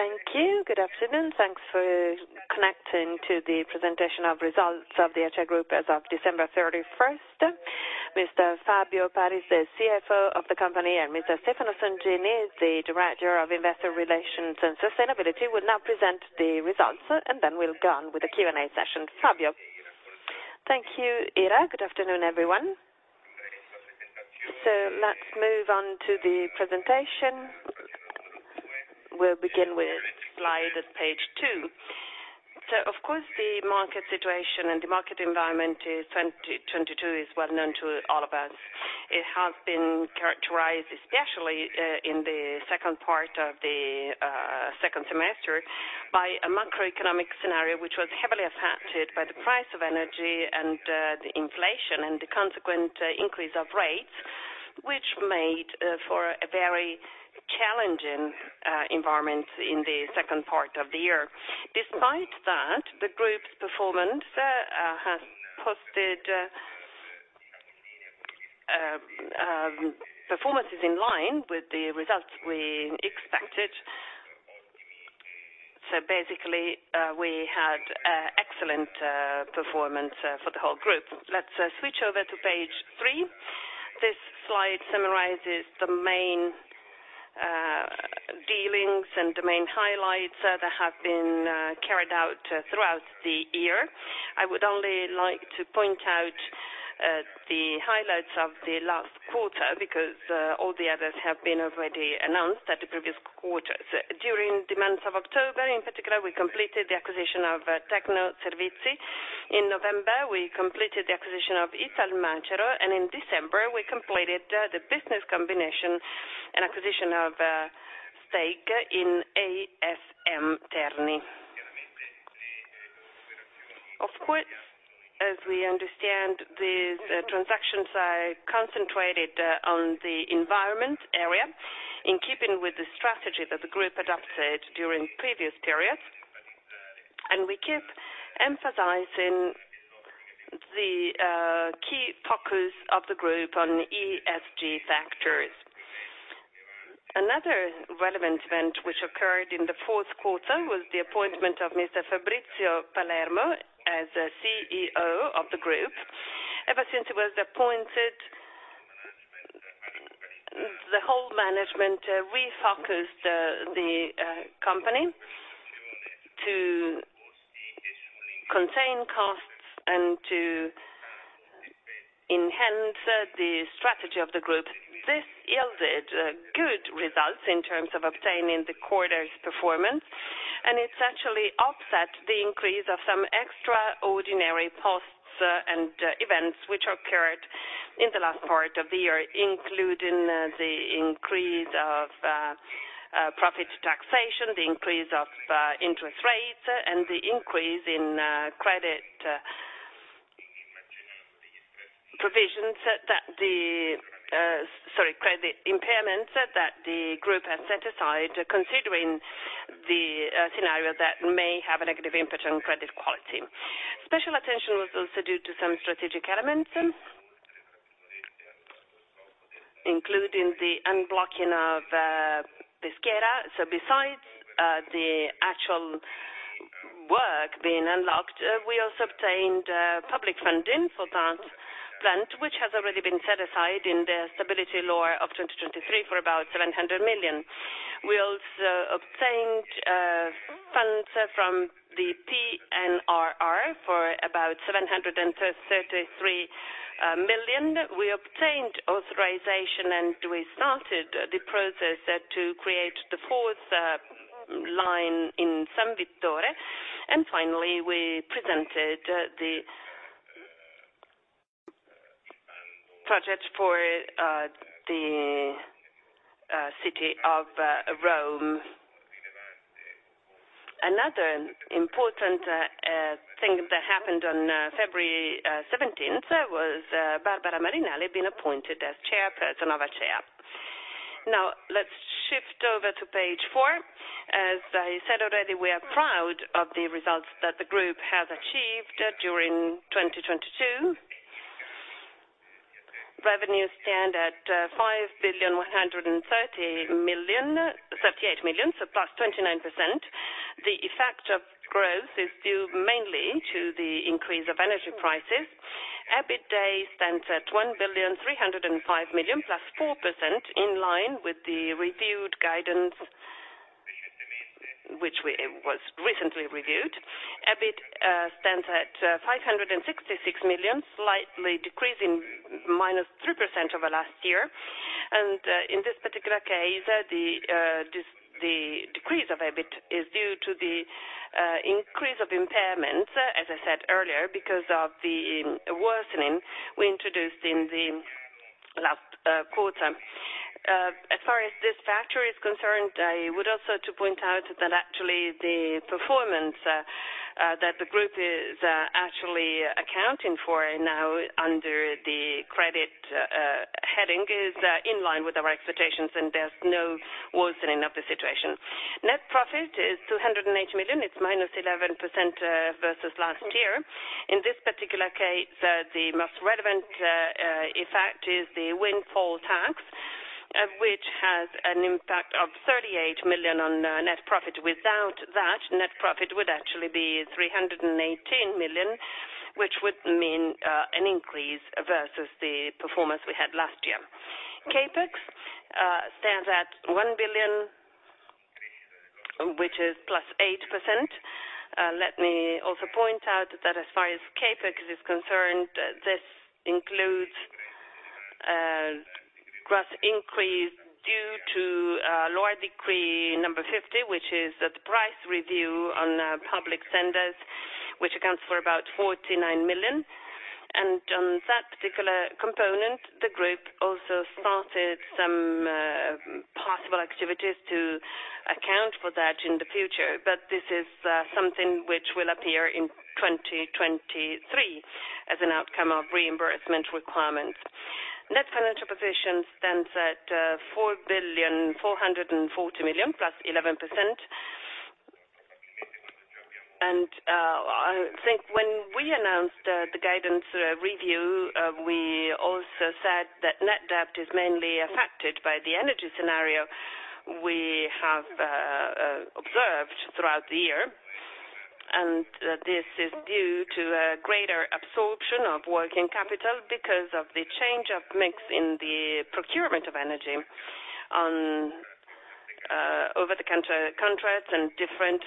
Thank you. Good afternoon. Thanks for connecting to the presentation of results of the Acea Group as of December 31st. Mr. Fabio Paris, the CFO of the company, and Mr. Stefano Songini, the Director of Investor Relations and Sustainability, will now present the results. Then we'll go on with the Q&A session. Fabio? Thank you, Ira. Good afternoon, everyone. Let's move on to the presentation. We'll begin with slide at page two. Of course, the market situation and the market environment in 2022 is well-known to all of us. It has been characterized, especially, in the second part of the second semester, by a macroeconomic scenario, which was heavily affected by the price of energy and the inflation and the consequent increase of rates, which made for a very challenging environment in the second part of the year. Despite that, the group's performance is in line with the results we expected. Basically, we had excellent performance for the whole group. Let's switch over to page three. This slide summarizes the main dealings and the main highlights that have been carried out throughout the year. I would only like to point out the highlights of the last quarter because all the others have been already announced at the previous quarters. During the months of October, in particular, we completed the acquisition of Tecnoservizi. In November, we completed the acquisition of Italmacero, and in December, we completed the business combination and acquisition of a stake in ASM Terni. Of course, as we understand, the transactions are concentrated on the environment area in keeping with the strategy that the group adopted during previous periods. We keep emphasizing the key focus of the group on ESG factors. Another relevant event which occurred in the fourth quarter was the appointment of Mr. Fabrizio Palermo as CEO of the group. Ever since he was appointed, the whole management refocused the company to contain costs and to enhance the strategy of the group. This yielded good results in terms of obtaining the quarter's performance, and it actually offset the increase of some extraordinary costs and events which occurred in the last part of the year, including the increase of profit taxation, the increase of interest rates, and the increase in credit impairments that the group has set aside, considering the scenario that may have a negative impact on credit quality. Special attention was also due to some strategic elements, including the unblocking of Peschiera. Besides the actual work being unlocked, we also obtained public funding for plant, which has already been set aside in the stability law of 2023 for about 700 million. We also obtained funds from the PNRR for about 733 million. We obtained authorization, and we started the process to create the fourth line in San Vittore. Finally, we presented the project for the city of Rome. Another important thing that happened on February 17th was Barbara Marinali being appointed as chairperson of A2A. Let's shift over to page four. As I said already, we are proud of the results that the group has achieved during 2022. Revenue stand at 5,168 million, so +29%. The effect of growth is due mainly to the increase of energy prices. EBITDA stands at 1,305 million, +4%, in line with the reviewed guidance, which was recently reviewed. EBIT stands at 566 million, slightly decreasing -3% over last year. In this particular case, the decrease of EBIT is due to the increase of impairment, as I said earlier, because of the worsening we introduced in the last quarter. As far as this factor is concerned, I would also to point out that actually the performance that the group is actually accounting for now under the credit heading is in line with our expectations, and there's no worsening of the situation. Net profit is 208 million. It's -11% versus last year. In this particular case, the most relevant effect is the windfall tax. Which has an impact of 38 million on net profit. Without that, net profit would actually be 318 million, which would mean an increase versus the performance we had last year. CapEx stands at 1 billion, which is +8%. Let me also point out that as far as CapEx is concerned, this includes gross increase due to Law Decree number 50, which is the price review on public centers, which accounts for about 49 million. On that particular component, the group also started some possible activities to account for that in the future. This is something which will appear in 2023 as an outcome of reimbursement requirements. Net financial position stands at 4 billion, 440 million, +11%. I think when we announced the guidance review, we also said that net debt is mainly affected by the energy scenario we have observed throughout the year. This is due to a greater absorption of working capital because of the change of mix in the procurement of energy on over-the-counter contracts and different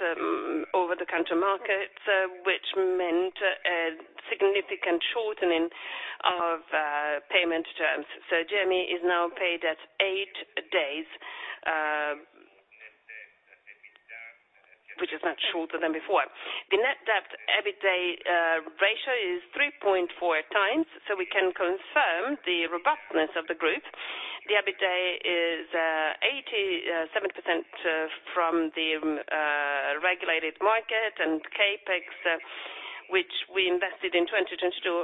over-the-counter markets, which meant a significant shortening of payment terms. GME is now paid at eight days, which is much shorter than before. The net debt EBITDA ratio is 3.4x, we can confirm the robustness of the group. The EBITDA is 87% from the regulated market and CapEx, which we invested in 2022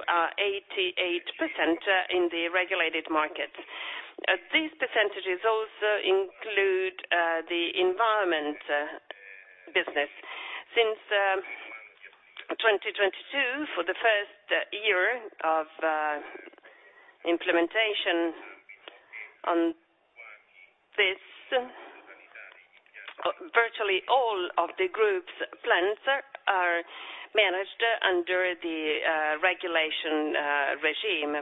are 88% in the regulated market. These percentages also include the environment business. Since 2022, for the first year of implementation on this, virtually all of the group's plants are managed under the regulation regime.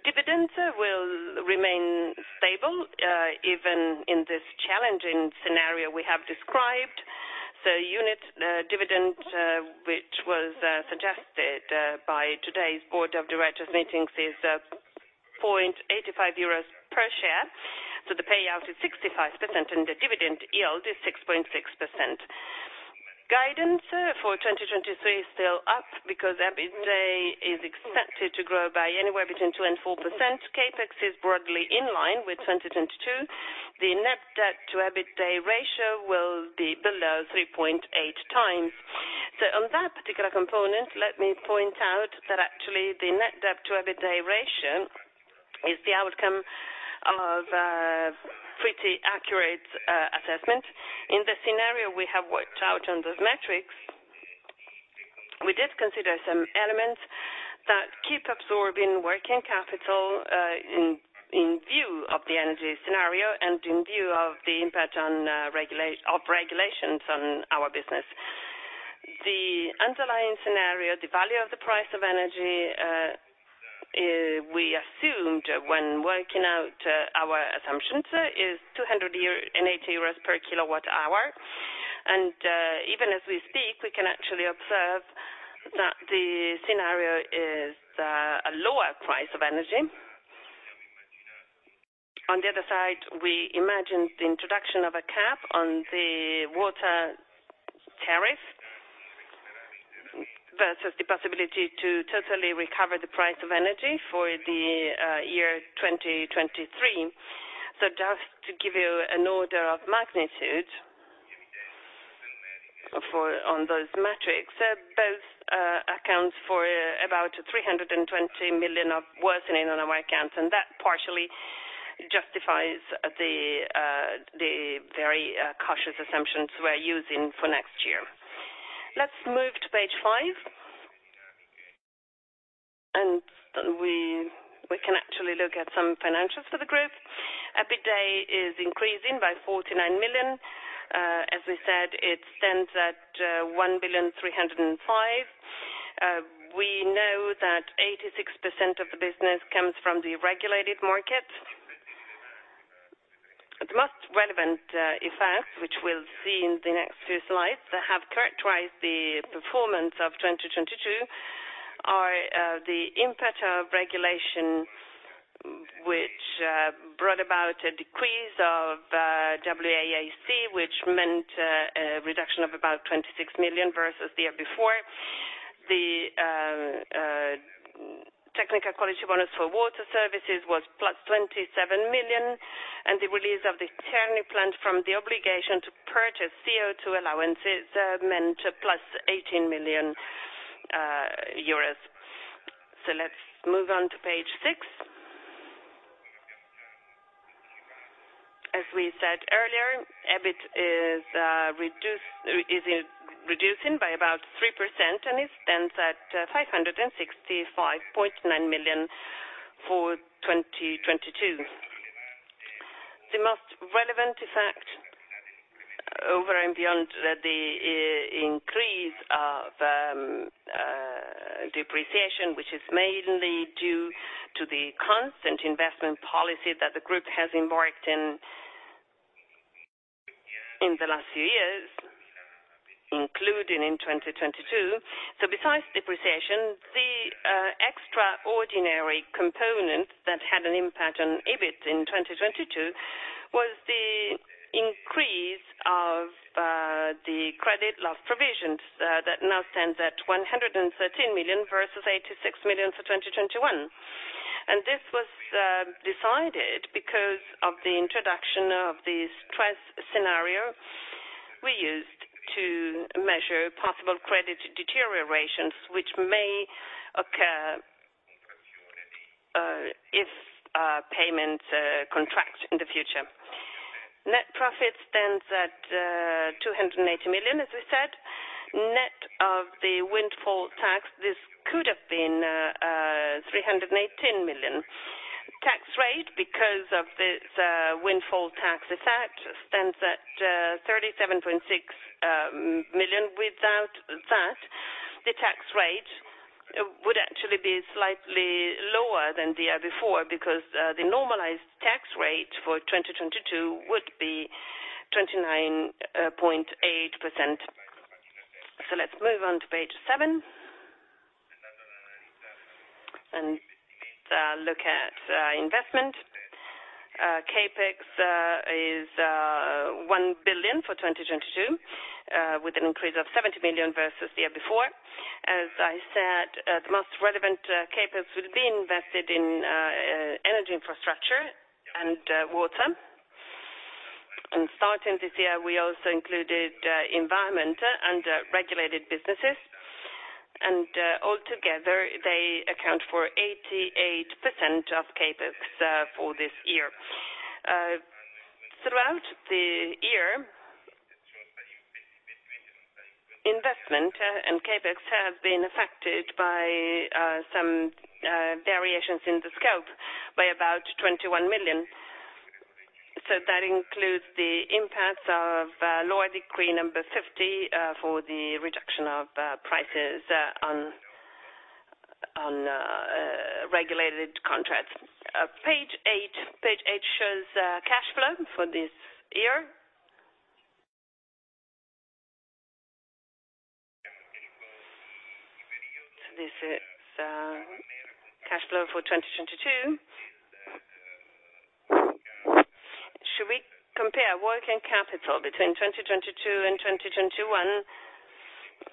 Dividends will remain stable, even in this challenging scenario we have described. The unit dividend, which was suggested by today's board of directors meetings is 0.85 euros per share. The payout is 65% and the dividend yield is 6.6%. Guidance for 2023 is still up because EBITDA is expected to grow by anywhere between 2% and 4%. CapEx is broadly in line with 2022. The net debt to EBITDA ratio will be below 3.8x. On that particular component, let me point out that actually the net debt to EBITDA ratio is the outcome of a pretty accurate assessment. In the scenario we have worked out on those metrics, we did consider some elements that keep absorbing working capital, in view of the energy scenario and in view of the impact on of regulations on our business. The underlying scenario, the value of the price of energy, we assumed when working out our assumptions, is 280 euros per kWh. Even as we speak, we can actually observe that the scenario is a lower price of energy. On the other side, we imagine the introduction of a cap on the water tariff versus the possibility to totally recover the price of energy for the year 2023. Just to give you an order of magnitude on those metrics, both accounts for about 320 million of worsening on our accounts. That partially justifies the very cautious assumptions we're using for next year. Let's move to page five. We can actually look at some financials for the group. EBITDA is increasing by 49 million. As we said, it stands at 1.305 billion. We know that 86% of the business comes from the regulated market. The most relevant effects, which we'll see in the next few slides that have characterized the performance of 2022 are the impact of regulation, which brought about a decrease of WACC, which meant a reduction of about 26 million versus the year before. The technical quality bonus for water services was + 27 million, and the release of the Terni plant from the obligation to purchase CO2 allowances meant + EUR 18 million. Let's move on to page six. As we said earlier, EBIT is reducing by about 3%, and it stands at 565.9 million for 2022. The most relevant effect over and beyond that the increase of depreciation, which is mainly due to the constant investment policy that the group has embarked in the last few years, including in 2022. Besides depreciation, the extraordinary component that had an impact on EBIT in 2022 was the increase of the credit loss provisions that now stands at 113 million versus 86 million for 2021. This was decided because of the introduction of the stress scenario we used to measure possible credit deteriorations which may occur if payments contract in the future. Net profit stands at 280 million, as I said. Net of the windfall tax, this could have been 318 million. Tax rate, because of this windfall tax effect, stands at 37.6 million. Without that, the tax rate would actually be slightly lower than the year before because the normalized tax rate for 2022 would be 29.8%. Let's move on to page seven. Look at investment. CapEx is 1 billion for 2022 with an increase of 70 million versus the year before. As I said, the most relevant CapEx will be invested in energy infrastructure and water. Starting this year, we also included environment under regulated businesses. Altogether, they account for 88% of CapEx for this year. Throughout the year, investment and CapEx have been affected by some variations in the scope by about 21 million. That includes the impact of Law Decree number 50 for the reduction of prices on regulated contracts. Page eight. Page eight shows cash flow for this year. This is cash flow for 2022. Should we compare working capital between 2022 and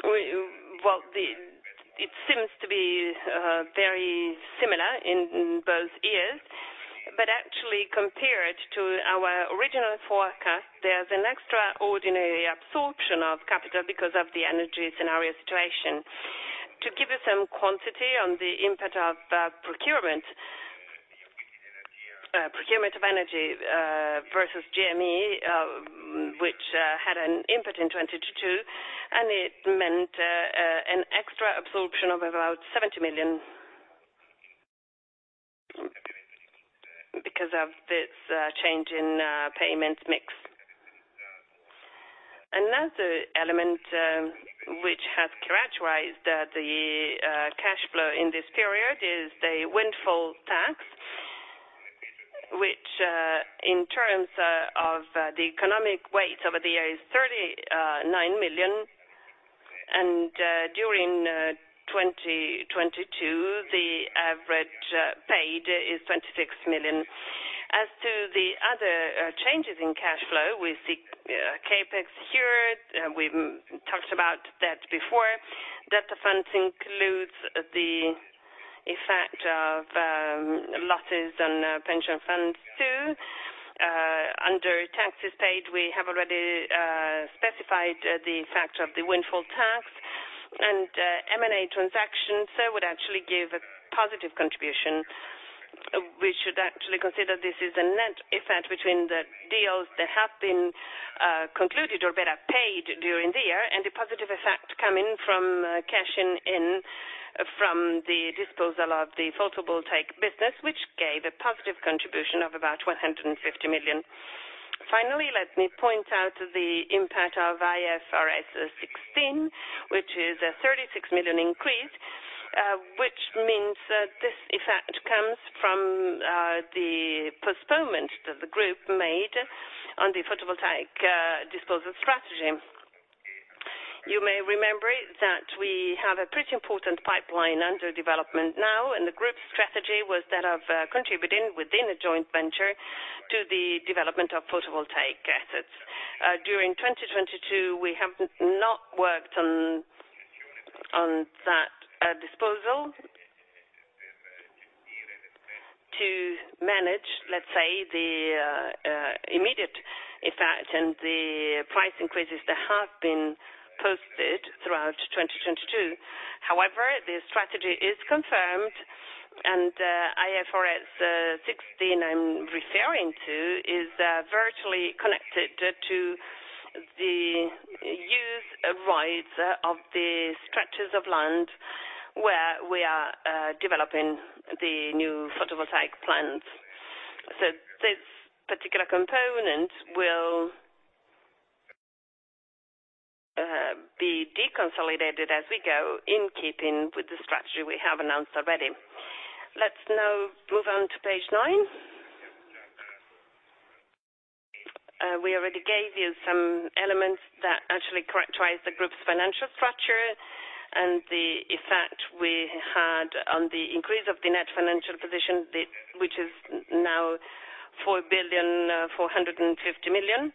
2021, it seems to be very similar in both years. Actually, compared to our original forecast, there's an extraordinary absorption of capital because of the energy scenario situation. To give you some quantity on the impact of procurement of energy versus GME, which had an impact in 2022, and it meant an extra absorption of about 70 million because of this change in payment mix. Another element which has characterized the cash flow in this period is the windfall tax, which in terms of the economic weight over the years, 39 million. During 2022, the average paid is 26 million. As to the other changes in cash flow, we see CapEx here. We've talked about that before. Delta funds includes the effect of losses on pension funds too. Under taxes paid, we have already specified the effect of the windfall tax. M&A transactions, they would actually give a positive contribution. We should actually consider this is a net effect between the deals that have been concluded or better paid during the year, and the positive effect coming from cashing in from the disposal of the photovoltaic business, which gave a positive contribution of about 150 million. Finally, let me point out the impact of IFRS 16, which is a 36 million increase, which means that this effect comes from the postponement that the group made on the photovoltaic disposal strategy. You may remember that we have a pretty important pipeline under development now, and the group strategy was that of contributing within a joint venture to the development of photovoltaic assets. During 2022, we have not worked on that disposal to manage, let's say, In fact, and the price increases that have been posted throughout 2022. The strategy is confirmed and IFRS 16 I'm referring to is virtually connected to the use rights of the structures of land where we are developing the new photovoltaic plants. This particular component will be deconsolidated as we go in keeping with the strategy we have announced already. Let's now move on to page nine. We already gave you some elements that actually characterize the group's financial structure and the effect we had on the increase of the net financial position, which is now 4.45 billion,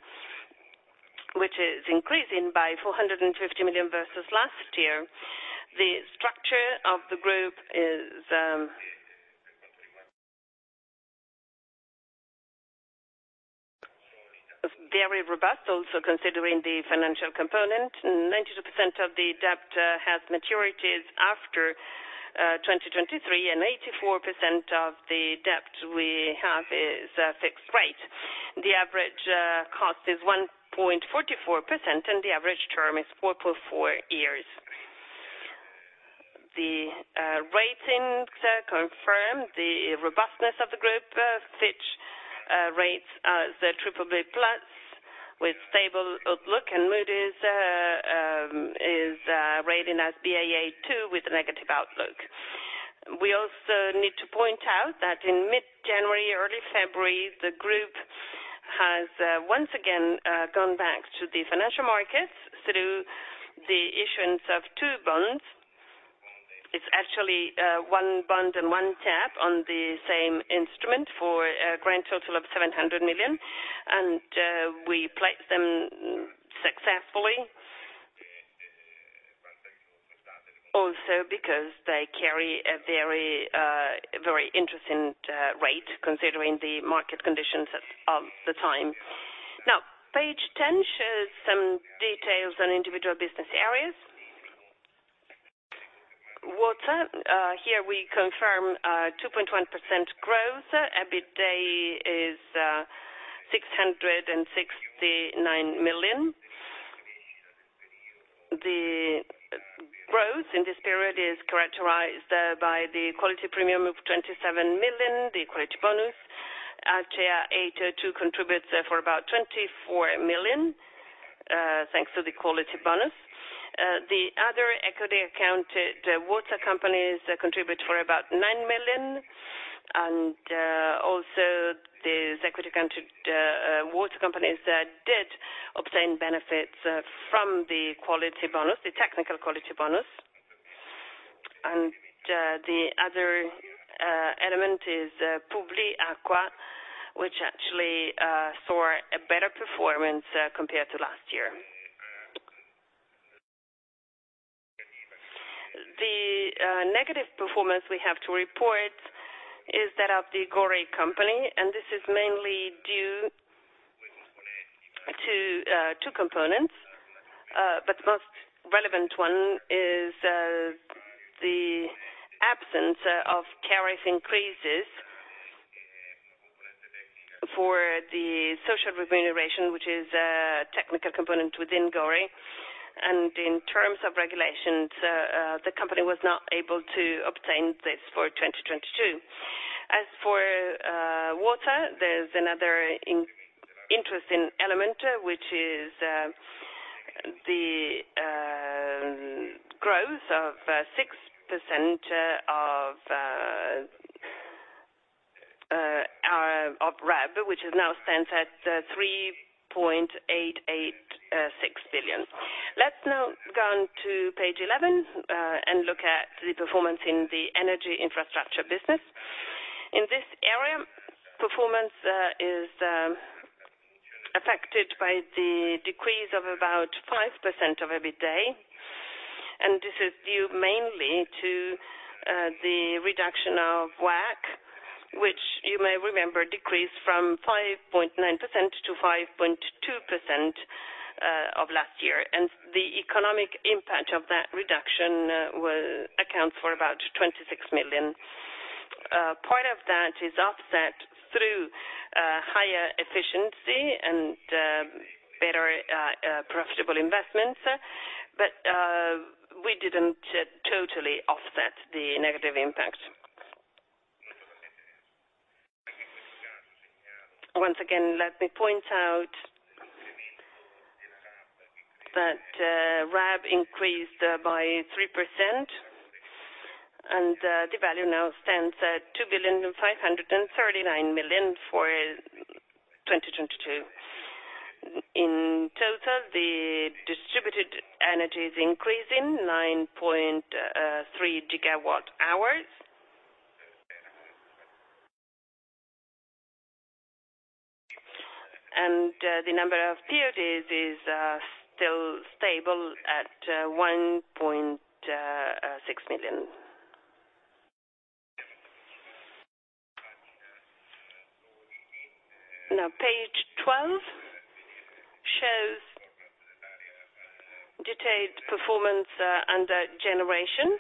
which is increasing by 450 million versus last year. The structure of the group is very robust, also considering the financial component. 92% of the debt has maturities after 2023, and 84% of the debt we have is fixed rate. The average cost is 1.44%, and the average term is 4.4 years. The ratings confirm the robustness of the group. Fitch rates us at BBB+ with stable outlook, and Moody's is rating us Baa2 with a negative outlook. We also need to point out that in mid-January, early February, the group has once again gone back to the financial markets through the issuance of two bonds. It's actually one bond and one tap on the same instrument for a grand total of 700 million. We placed them successfully also because they carry a very, very interesting rate considering the market conditions at the time. Now, page 10 shows some details on individual business areas. Water, here we confirm 2.1% growth. EBITDA is EUR 669 million. The growth in this period is characterized by the quality premium of 27 million, the quality bonus. Acea Ato 2 contributes for about 24 million thanks to the quality bonus. The other equity accounted water companies contribute for about 9 million. Also these equity counted water companies did obtain benefits from the quality bonus, the technical quality bonus. The other element is Publiacqua, which actually saw a better performance compared to last year. The negative performance we have to report is that of the GORI company, and this is mainly due to two components. The most relevant one is the absence of tariff increases for the social remuneration, which is a technical component within GORI. In terms of regulations, the company was not able to obtain this for 2022. As for water, there's another interesting element, which is the growth of 6% of RAB, which now stands at 3.886 billion. Let's now go on to page 11 and look at the performance in the energy infrastructure business. In this area, performance is affected by the decrease of about 5% of EBITDA, this is due mainly to the reduction of WACC, which you may remember decreased from 5.9% to 5.2% of last year. The economic impact of that reduction will account for about 26 million. Part of that is offset through higher efficiency and better profitable investments. We didn't totally offset the negative impact. Once again, let me point out that RAB increased by 3%, the value now stands at 2.539 billion for 2022. In total, the distributed energy is increasing 9.3 GWh. The number of periods is still stable at EUR 1.6 million. Now page 12 shows detailed performance under generation.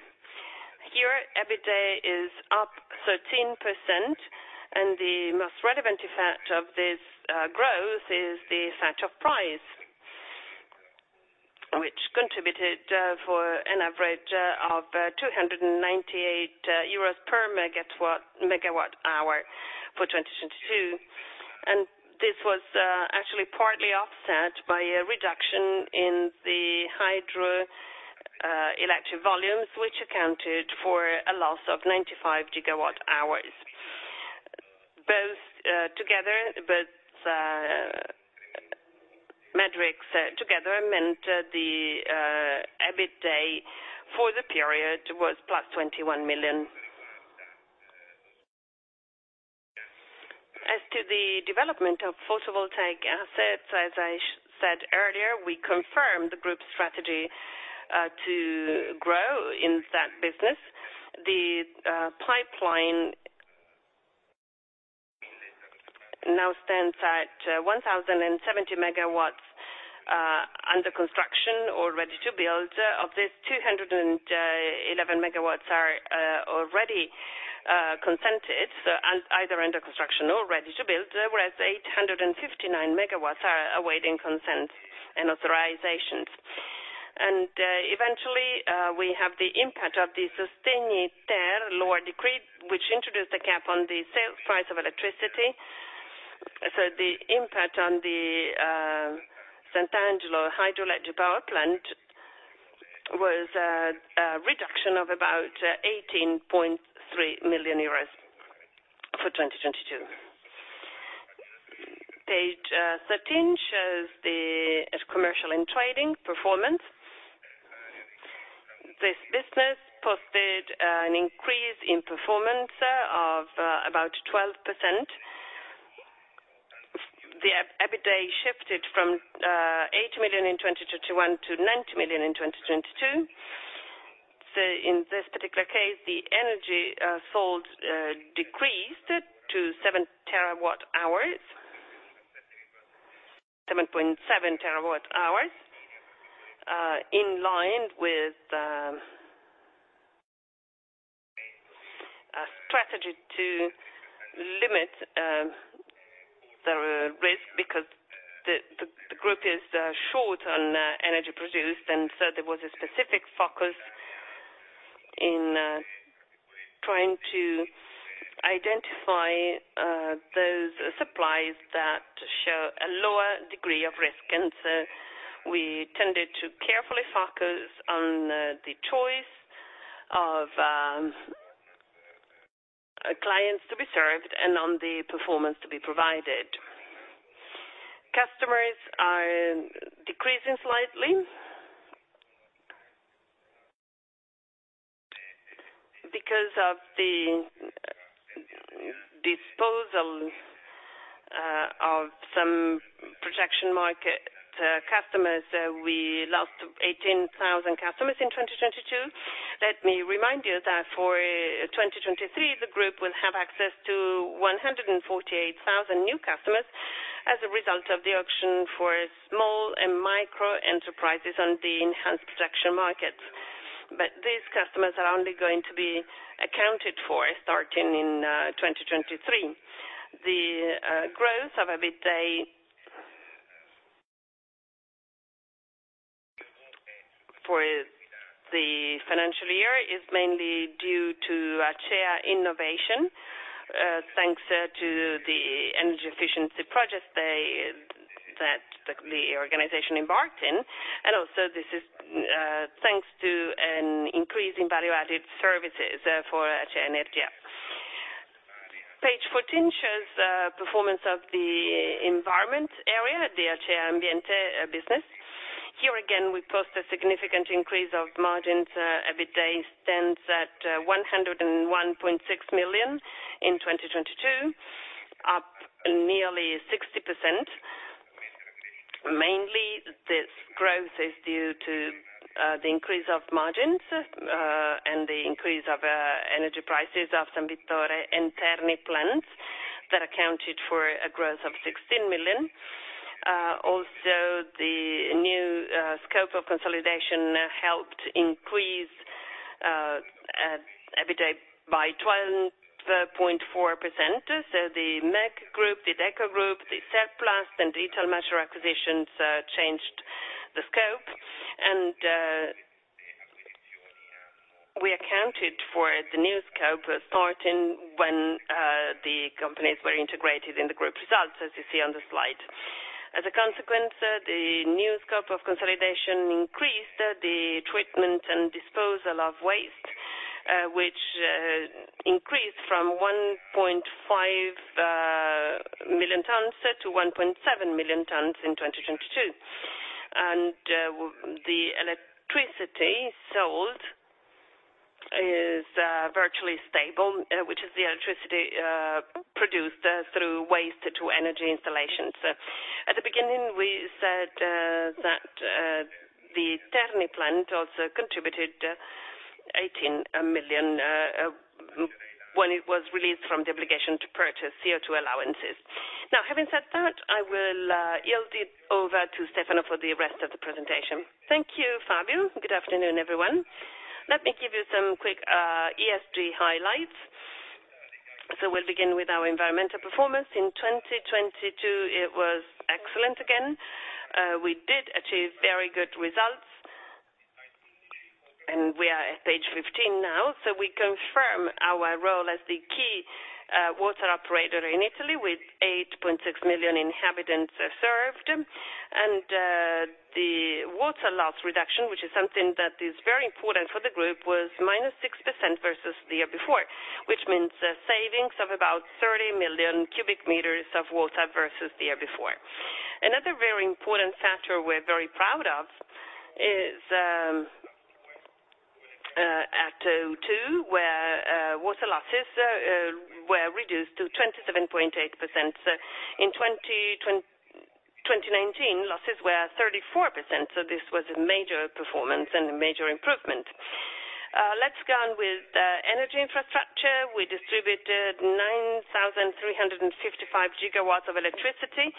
Here, EBITDA is up 13% and the most relevant effect of this growth is the effect of price, which contributed for an average of 298 euros per MWh for 2022. This was actually partly offset by a reduction in the hydro electric volumes, which accounted for a loss of 95 GWh. Both metrics together meant the EBITDA for the period was +21 million. As to the development of photovoltaic assets, as I said earlier, we confirm the group's strategy to grow in that business. The pipeline now stands at 1,070MW under construction or ready to build. Of these, 211MW are already consented and either under construction or ready to build, whereas 859 megawatts are awaiting consent and authorizations. Eventually, we have the impact of the Sostegni-ter law decree, which introduced a cap on the sale price of electricity. The impact on the Sant'Angelo hydroelectric power plant was a reduction of about 18.3 million euros for 2022. Page 13 shows commercial and trading performance. This business posted an increase in performance of about 12%. The EBITDA shifted from 8 million in 2021 to 9 million in 2022. In this particular case, the energy sold decreased to 7.7 TWh in line with a strategy to limit the risk because the group is short on energy produced. There was a specific focus in trying to identify those supplies that show a lower degree of risk. We tended to carefully focus on the choice of clients to be served and on the performance to be provided. Customers are decreasing slightly. Because of the disposal of some protection market customers, we lost 18,000 customers in 2022. Let me remind you that for 2023, the group will have access to 148,000 new customers as a result of the auction for small and micro enterprises on the enhanced protection market. These customers are only going to be accounted for starting in 2023. The growth of EBITDA for the financial year is mainly due to Acea Innovation, thanks to the energy efficiency projects that the organization embarked in. This is thanks to an increase in value-added services for Acea Energia. Page 14 shows performance of the environment area, the Acea Ambiente business. Here again, we post a significant increase of margins. EBITDA stands at 101.6 million in 2022, up nearly 60%. Mainly, this growth is due to the increase of margins and the increase of energy prices of San Vittore and ASM Terni plants that accounted for a growth of 16 million. Also the new scope of consolidation helped increase EBITDA by 12.4%. The MEC Group, the Deco Group, the Serplast and Italmacero acquisitions changed the scope. We accounted for the new scope starting when the companies were integrated in the group results, as you see on the slide. As a consequence, the new scope of consolidation increased the treatment and disposal of waste, which increased from 1.5 million tons-1.7 million tons in 2022. The electricity sold is virtually stable, which is the electricity produced through waste-to-energy installations. At the beginning, we said that the Terni plant also contributed 18 million when it was released from the obligation to purchase CO2 allowances. Now having said that, I will yield it over to Stefano for the rest of the presentation. Thank you, Fabio. Good afternoon, everyone. Let me give you some quick ESG highlights. We'll begin with our environmental performance. In 2022 it was excellent again. We did achieve very good results. We are at page 15 now. We confirm our role as the key water operator in Italy with 8.6 million inhabitants served. The water loss reduction, which is something that is very important for the group, was -6% versus the year before, which means a savings of about 30 million cubic meters of water versus the year before. Another very important factor we're very proud of is at ATO 2, where water losses were reduced to 27.8%. In 2019, losses were 34%, this was a major performance and a major improvement. Let's go on with the energy infrastructure. We distributed 9,355 GW of electricity,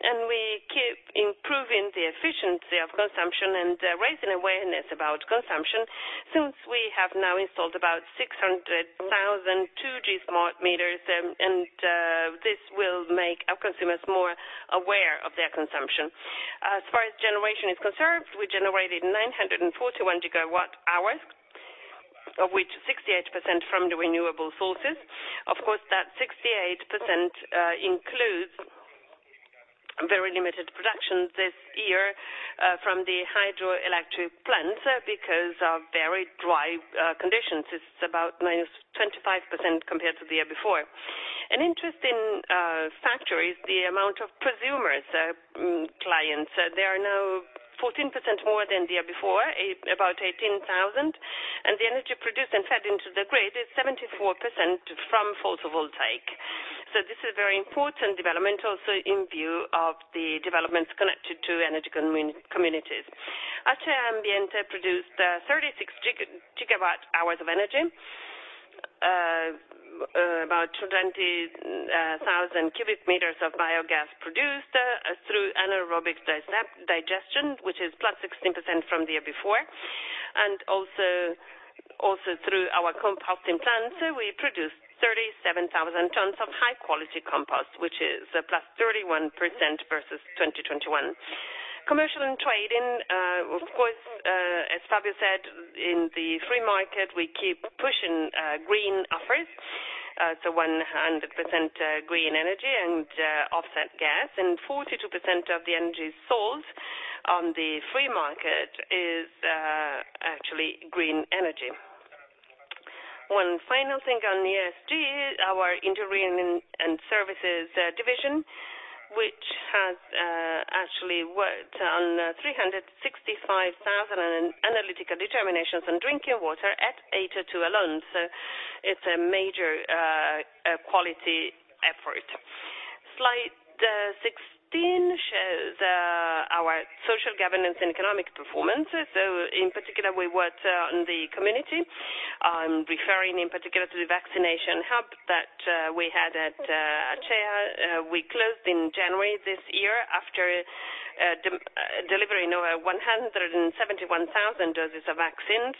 and we keep improving the efficiency of consumption and raising awareness about consumption, since we have now installed about 600,000 2G smart meters and this will make our consumers more aware of their consumption. As far as generation is concerned, we generated 941 GWh, of which 68% from the renewable sources. Of course, that 68% includes very limited production this year from the hydroelectric plants because of very dry conditions. It's about -25% compared to the year before. An interesting factor is the amount of prosumers clients. There are now 14% more than the year before, about 18,000, and the energy produced and fed into the grid is 74% from photovoltaic. This is a very important development, also in view of the developments connected to energy communities. Acea Ambiente produced 36 GWh of energy. About 20,000 cubic meters of biogas produced through anaerobic digestion, which is +16% from the year before. Also through our composting plants, we produced 37,000 tons of high quality compost, which is +31% versus 2021. Commercial and trading, of course, as Fabio said, in the free market, we keep pushing green offers, so 100% green energy and offset gas, and 42% of the energy sold on the free market is actually green energy. One final thing on the ESG, our engineering and services division, which has actually worked on 365,000 analytical determinations on drinking water at Acea alone. It's a major quality effort. Slide 16 shows our social governance and economic performance. In particular, we worked in the community. I'm referring in particular to the vaccination hub that we had at Acea. We closed in January this year after de-delivery over 171,000 doses of vaccines.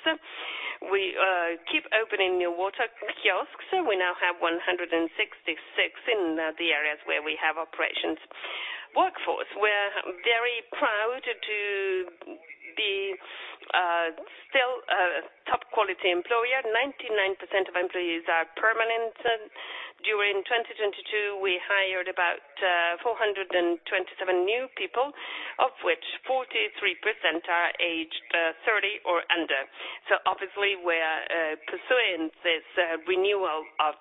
We keep opening new water kiosks. We now have 166 in the areas where we have operations. Workforce. We're very proud to be still a top quality employer. 99% of employees are permanent. During 2022, we hired about 427 new people, of which 43% are aged 30 or under. Obviously we're pursuing this renewal of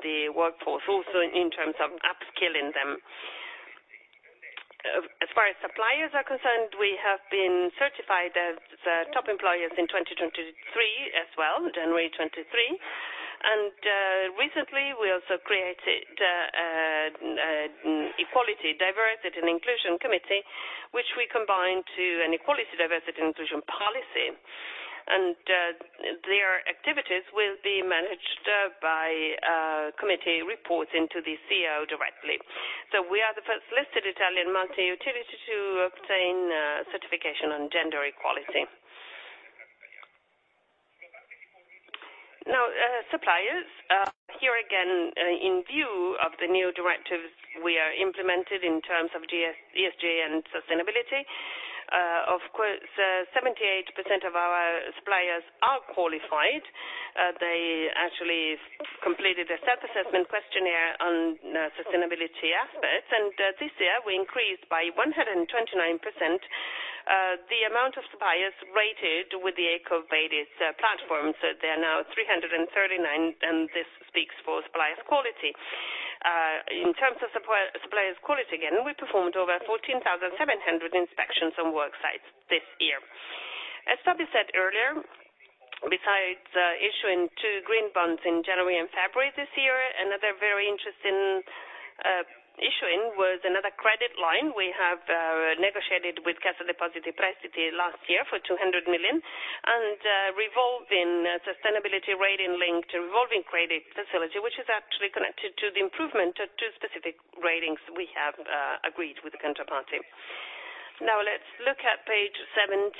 the workforce, also in terms of upskilling them. As far as suppliers are concerned, we have been certified as top employers in 2023 as well, January 2023. Recently, we also created Equality, Diversity, and Inclusion committee, which we combined to an equality, diversity, and inclusion policy. Their activities will be managed by a committee reporting to the CEO directly. We are the first listed Italian multi-utility to obtain certification on gender equality. Now, suppliers. Here again, in view of the new directives we are implemented in terms of ESG and sustainability. Of course, 78% of our suppliers are qualified. They actually completed a self-assessment questionnaire on sustainability aspects. This year, we increased by 129% the amount of suppliers rated with the EcoVadis platform. There are now 339, and this speaks for suppliers' quality. In terms of suppliers' quality, again, we performed over 14,700 inspections on work sites this year. As Fabio said earlier, besides issuing two green bonds in January and February this year, another very interesting issuing was another credit line we have negotiated with Cassa Depositi e Prestiti last year for 200 million. Revolving sustainability rating link to revolving credit facility, which is actually connected to the improvement of two specific ratings we have agreed with the counterparty. Now let's look at page 17,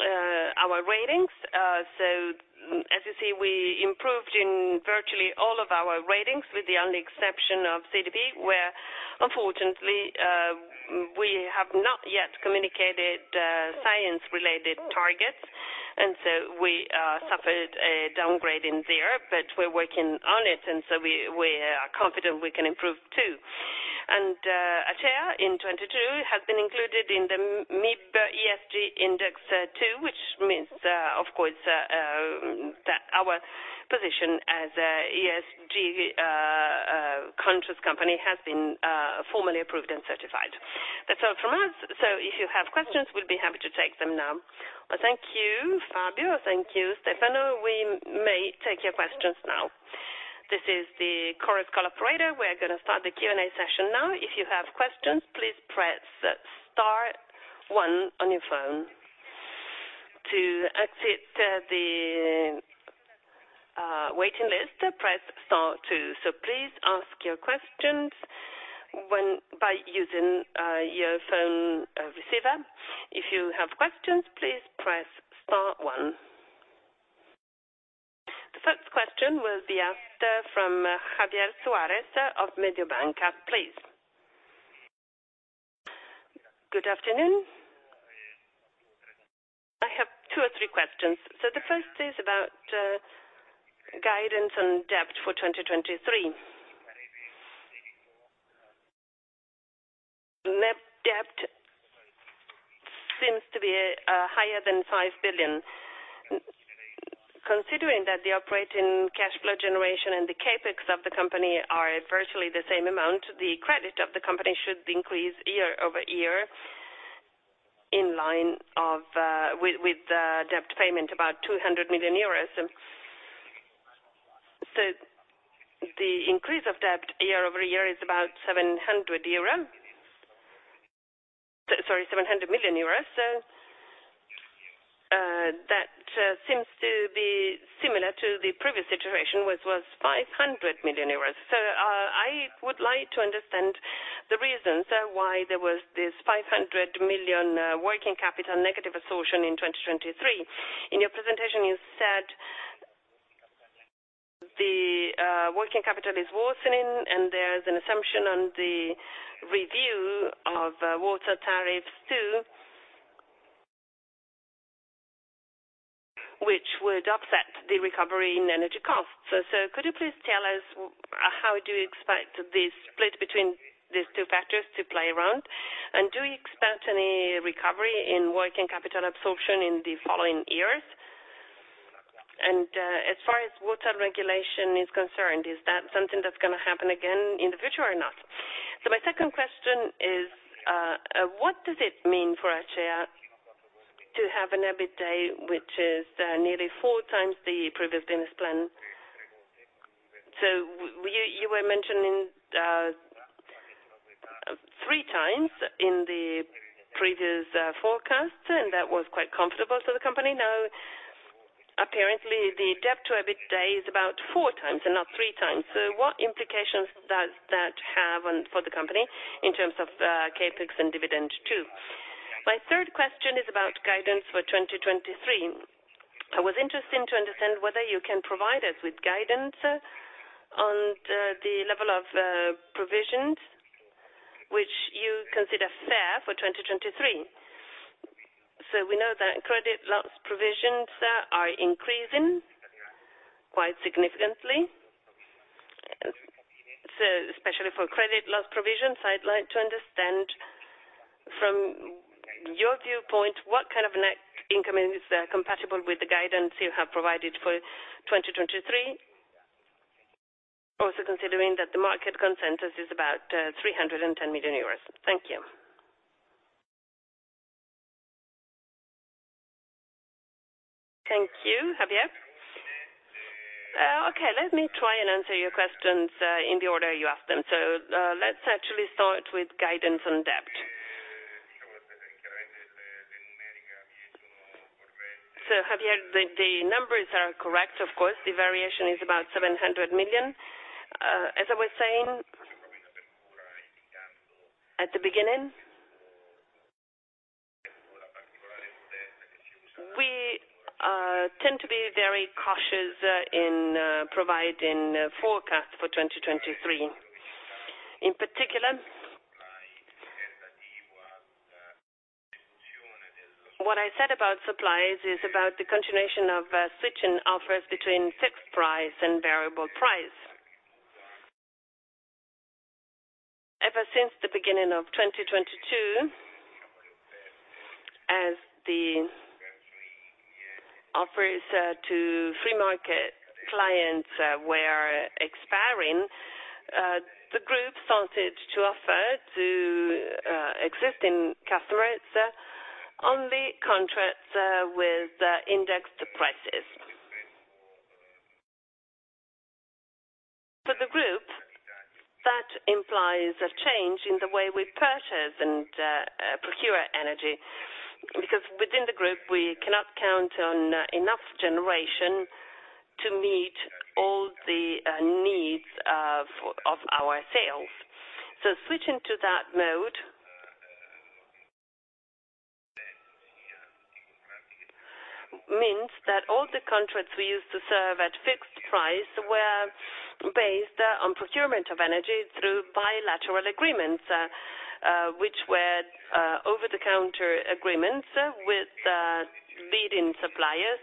our ratings. As you see, we improved in virtually all of our ratings, with the only exception of CDP, where unfortunately, we have not yet communicated science related targets, we suffered a downgrade in there, we're working on it, we are confident we can improve too. Acea in 2022 has been included in the MIB ESG Index two, which means, of course, that our position as a ESG conscious company has been formally approved and certified. That's all from us, if you have questions, we'll be happy to take them now. Thank you, Fabio. Thank you, Stefano. We may take your questions now. This is the Chorus Call operator. We're going to start the Q&A session now. If you have questions, please press star one on your phone. To exit the waiting list, press star two. Please ask your questions by using your phone receiver. If you have questions, please press star one. The first question will be asked from Javier Suárez of Mediobanca, please. Good afternoon. I have two or three questions. The first is about guidance and debt for 2023. Net debt seems to be higher than 5 billion. Considering that the operating cash flow generation and the CapEx of the company are virtually the same amount, the credit of the company should increase year-over-year in line with the debt payment about 200 million. The increase of debt year-over-year is about 700 euro. Seven hundred million euros. That seems to be similar to the previous situation, which was 500 million euros. I would like to understand the reasons why there was this 500 million, working capital negative absorption in 2023. In your presentation, you said the working capital is worsening, and there's an assumption on the review of water tariffs too, which would offset the recovery in energy costs. Could you please tell us how do you expect this split between these two factors to play around? Do you expect any recovery in working capital absorption in the following years? As far as water regulation is concerned, is that something that's gonna happen again in the future or not? My second question is, what does it mean for Acea to have an EBITDA which is nearly 4 times the previous business plan? You were mentioning 3x in the previous forecast, and that was quite comfortable to the company. Apparently, the debt to EBITDA is about 4x and not 3x. What implications does that have for the company in terms of CapEx and dividend too? My third question is about guidance for 2023. I was interested to understand whether you can provide us with guidance on the level of provisions which you consider fair for 2023. We know that credit loss provisions are increasing quite significantly. Especially for credit loss provisions, I'd like to understand from your viewpoint, what kind of net income is compatible with the guidance you have provided for 2023, also considering that the market consensus is about 310 million euros. Thank you. Thank you, Javier. Okay. Let me try and answer your questions in the order you asked them. Let's actually start with guidance on debt. Javier, the numbers are correct. Of course, the variation is about 700 million. As I was saying, at the beginning, we tend to be very cautious in providing forecasts for 2023. In particular, what I said about supplies is about the continuation of switching offers between fixed price and variable price. Ever since the beginning of 2022, as the offers to free market clients were expiring, the group started to offer to existing customers only contracts with indexed prices. For the group, that implies a change in the way we purchase and procure energy because within the group, we cannot count on enough generation to meet all the needs of our sales. Switching to that mode means that all the contracts we used to serve at fixed price were based on procurement of energy through bilateral agreements which were over-the-counter agreements with leading suppliers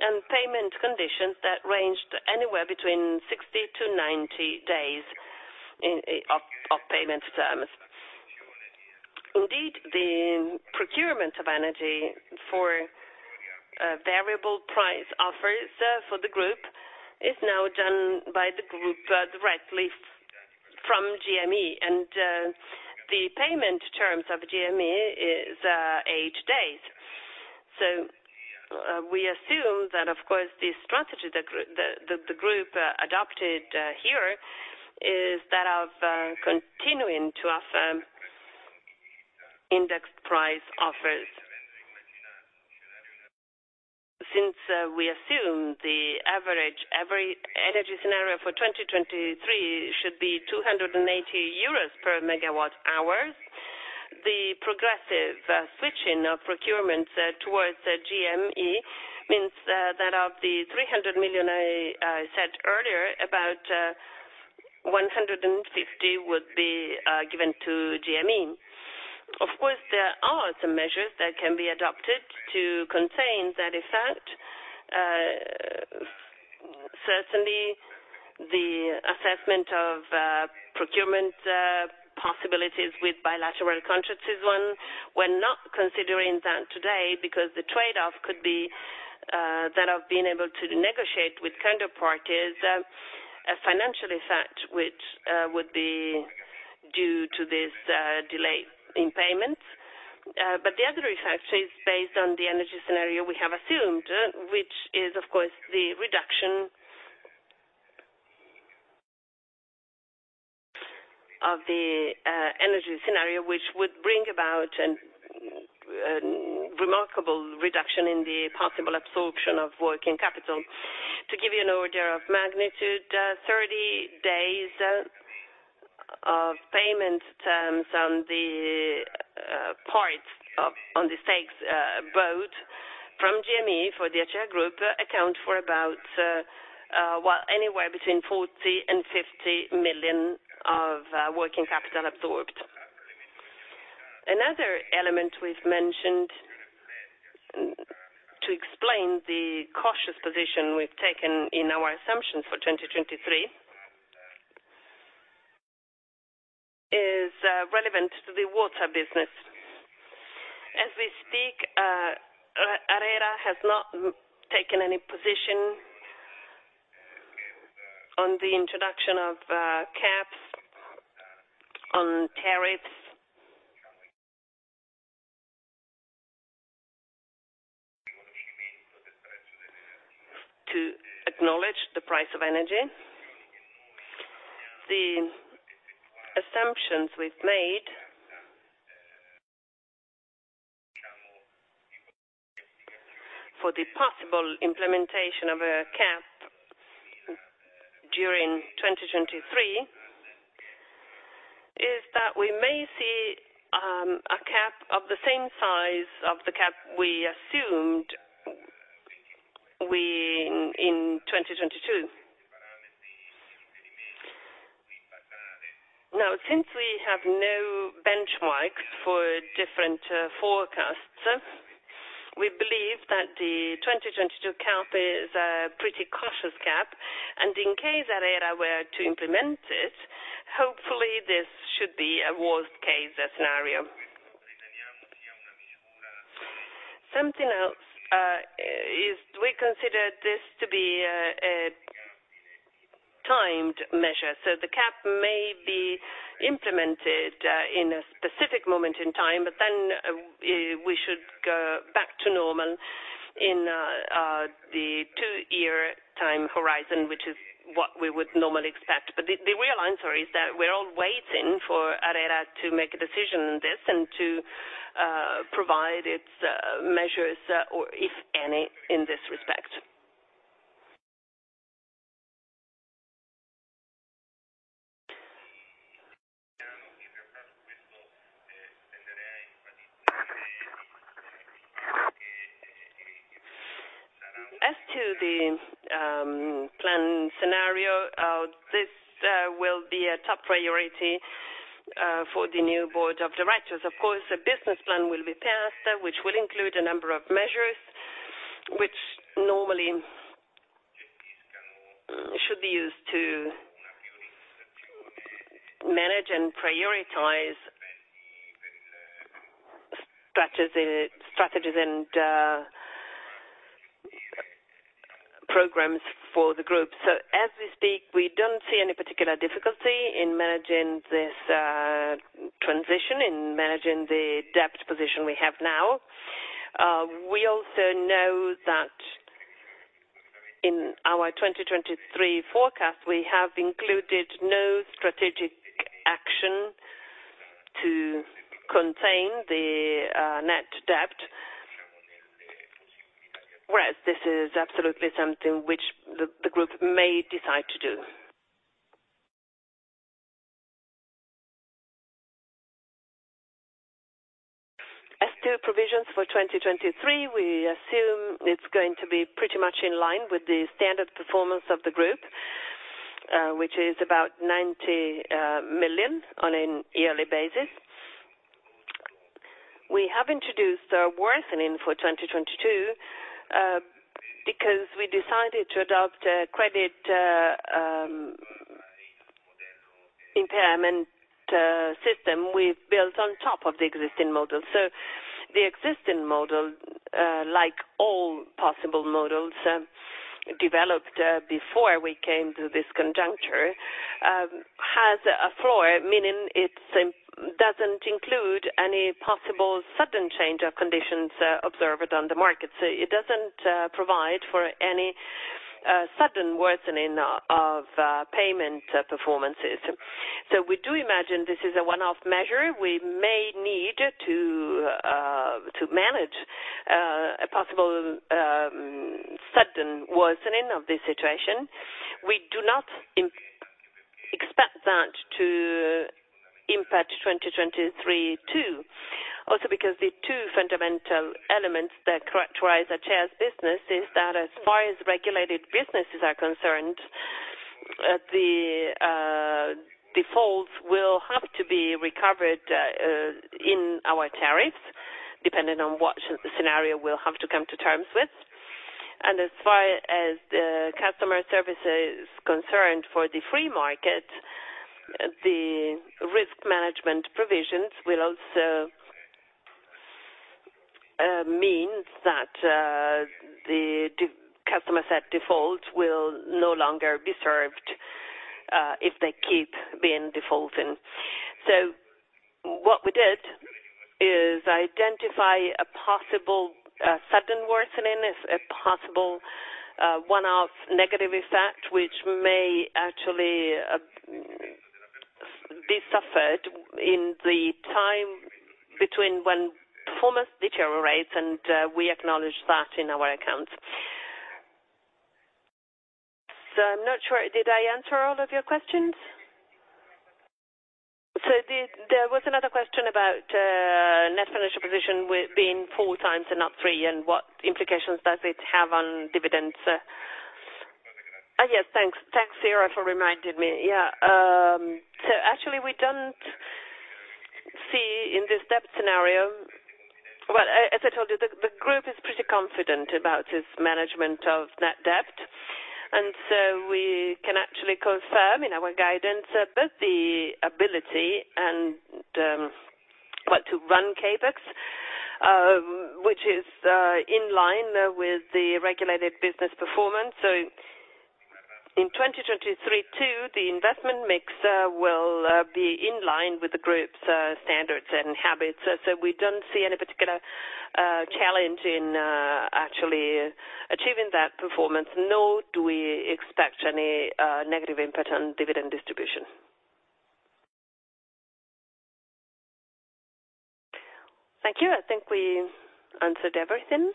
and payment conditions that ranged anywhere between 60-90 days in payment terms. The procurement of energy for variable price offers for the group is now done by the group directly from GME, and the payment terms of GME is eight days. We assume that, of course, the strategy the group adopted here is that of continuing to offer indexed price offers. Since we assume the average every energy scenario for 2023 should be 280 euros per MWh, the progressive switching of procurements towards GME means that of the 300 million I said earlier, about 150 million would be given to GME. Of course, there are some measures that can be adopted to contain that effect. Certainly, the assessment of procurement possibilities with bilateral contracts is one. We're not considering that today because the trade-off could be that of being able to negotiate with counterparties, a financial effect, which would be due to this delay in payments. The other effect is based on the energy scenario we have assumed, which is, of course, the reduction of the energy scenario, which would bring about a remarkable reduction in the possible absorption of working capital. To give you an order of magnitude, 30 days of payment terms on the stakes, boat from GME for the HGR group account for about, well, anywhere between 40 million-50 million of working capital absorbed. Another element we've mentioned to explain the cautious position we've taken in our assumption for 2023 is relevant to the water business. As we speak, ARERA has not taken any position on the introduction of caps on tariffs to acknowledge the price of energy. The assumptions we've made for the possible implementation of a cap during 2023 is that we may see a cap of the same size of the cap we assumed in 2022. Since we have no benchmarks for different forecasts, we believe that the 2022 cap is a pretty cautious cap. In case ARERA were to implement it, hopefully, this should be a worst-case scenario. Something else is we consider this to be a timed measure. The cap may be implemented in a specific moment in time, we should go back to normal in the two-year time horizon, which is what we would normally expect. The real answer is that we're all waiting for ARERA to make a decision on this and to provide its measures or if any, in this respect. As to the plan scenario, this will be a top priority for the new board of directors. Of course, a business plan will be passed, which will include a number of measures which normally and prioritize strategies and programs for the group. As we speak, we don't see any particular difficulty in managing this transition, in managing the debt position we have now. We also know that in our 2023 forecast, we have included no strategic action to contain the net debt. Whereas this is absolutely something which the group may decide to do. As to provisions for 2023, we assume it's going to be pretty much in line with the standard performance of the group, which is about 90 million on an yearly basis. We have introduced a worsening for 2022, because we decided to adopt a credit impairment system we built on top of the existing model. The existing model, like all possible models, developed before we came to this conjuncture, has a flaw, meaning it doesn't include any possible sudden change of conditions observed on the market. It doesn't provide for any sudden worsening of payment performances. We do imagine this is a one-off measure. We may need to manage a possible sudden worsening of the situation. We do not expect that to impact 2023 too. Because the two fundamental elements that characterize Acea's business is that as far as regulated businesses are concerned, the defaults will have to be recovered in our tariffs, depending on what scenario we'll have to come to terms with. As far as the customer service is concerned, for the free market, the risk management provisions will also mean that the customer set defaults will no longer be served if they keep being defaulting. What we did is identify a possible sudden worsening as a possible one-off negative effect, which may actually be suffered in the time between when performance deteriorates, and we acknowledge that in our accounts. I'm not sure, did I answer all of your questions? There was another question about net financial position with being 4x and not 3x, and what implications does it have on dividends? Yes, thanks. Thanks, Sarah, for reminding me. Yeah. Actually we don't see in this debt scenario... Well, as I told you, the group is pretty confident about this management of net debt. We can actually confirm in our guidance both the ability and, well, to run CapEx, which is in line with the regulated business performance. In 2023 too, the investment mix will be in line with the group's standards and habits. We don't see any particular challenge in actually achieving that performance, nor do we expect any negative impact on dividend distribution. Thank you. I think we answered everything.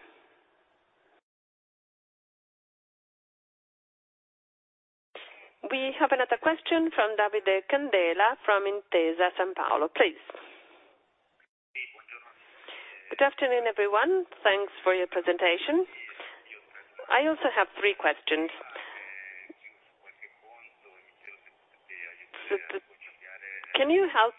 We have another question from Davide Candela from Intesa Sanpaolo, please. Good afternoon, everyone. Thanks for your presentation. I also have three questions. Can you help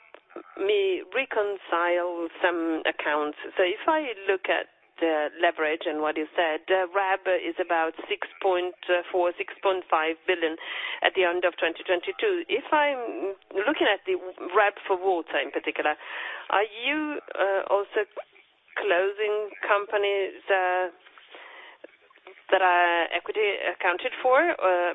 me reconcile some accounts? If I look at the leverage and what you said, RAB is about 6.4 billion, 6.5 billion at the end of 2022. If I'm looking at the RAB for water in particular, are you also closing companies that are equity accounted for,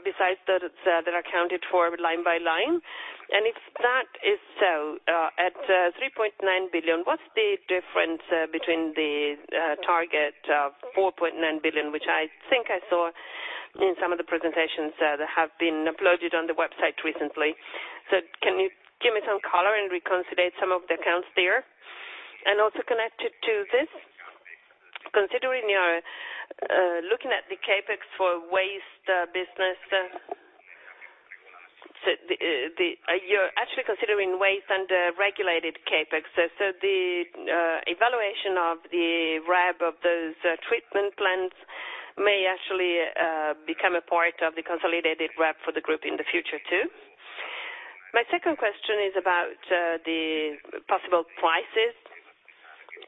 besides that it's that are accounted for line by line? If that is so, at 3.9 billion, what's the difference between the target of 4.9 billion, which I think I saw in some of the presentations that have been uploaded on the website recently. Can you give me some color and reconcile some of the accounts there? Also connected to this, considering you're looking at the CapEx for waste business, Are you actually considering waste under regulated CapEx? So the evaluation of the RAB of those treatment plants may actually become a part of the consolidated RAB for the group in the future too? My second question is about the possible prices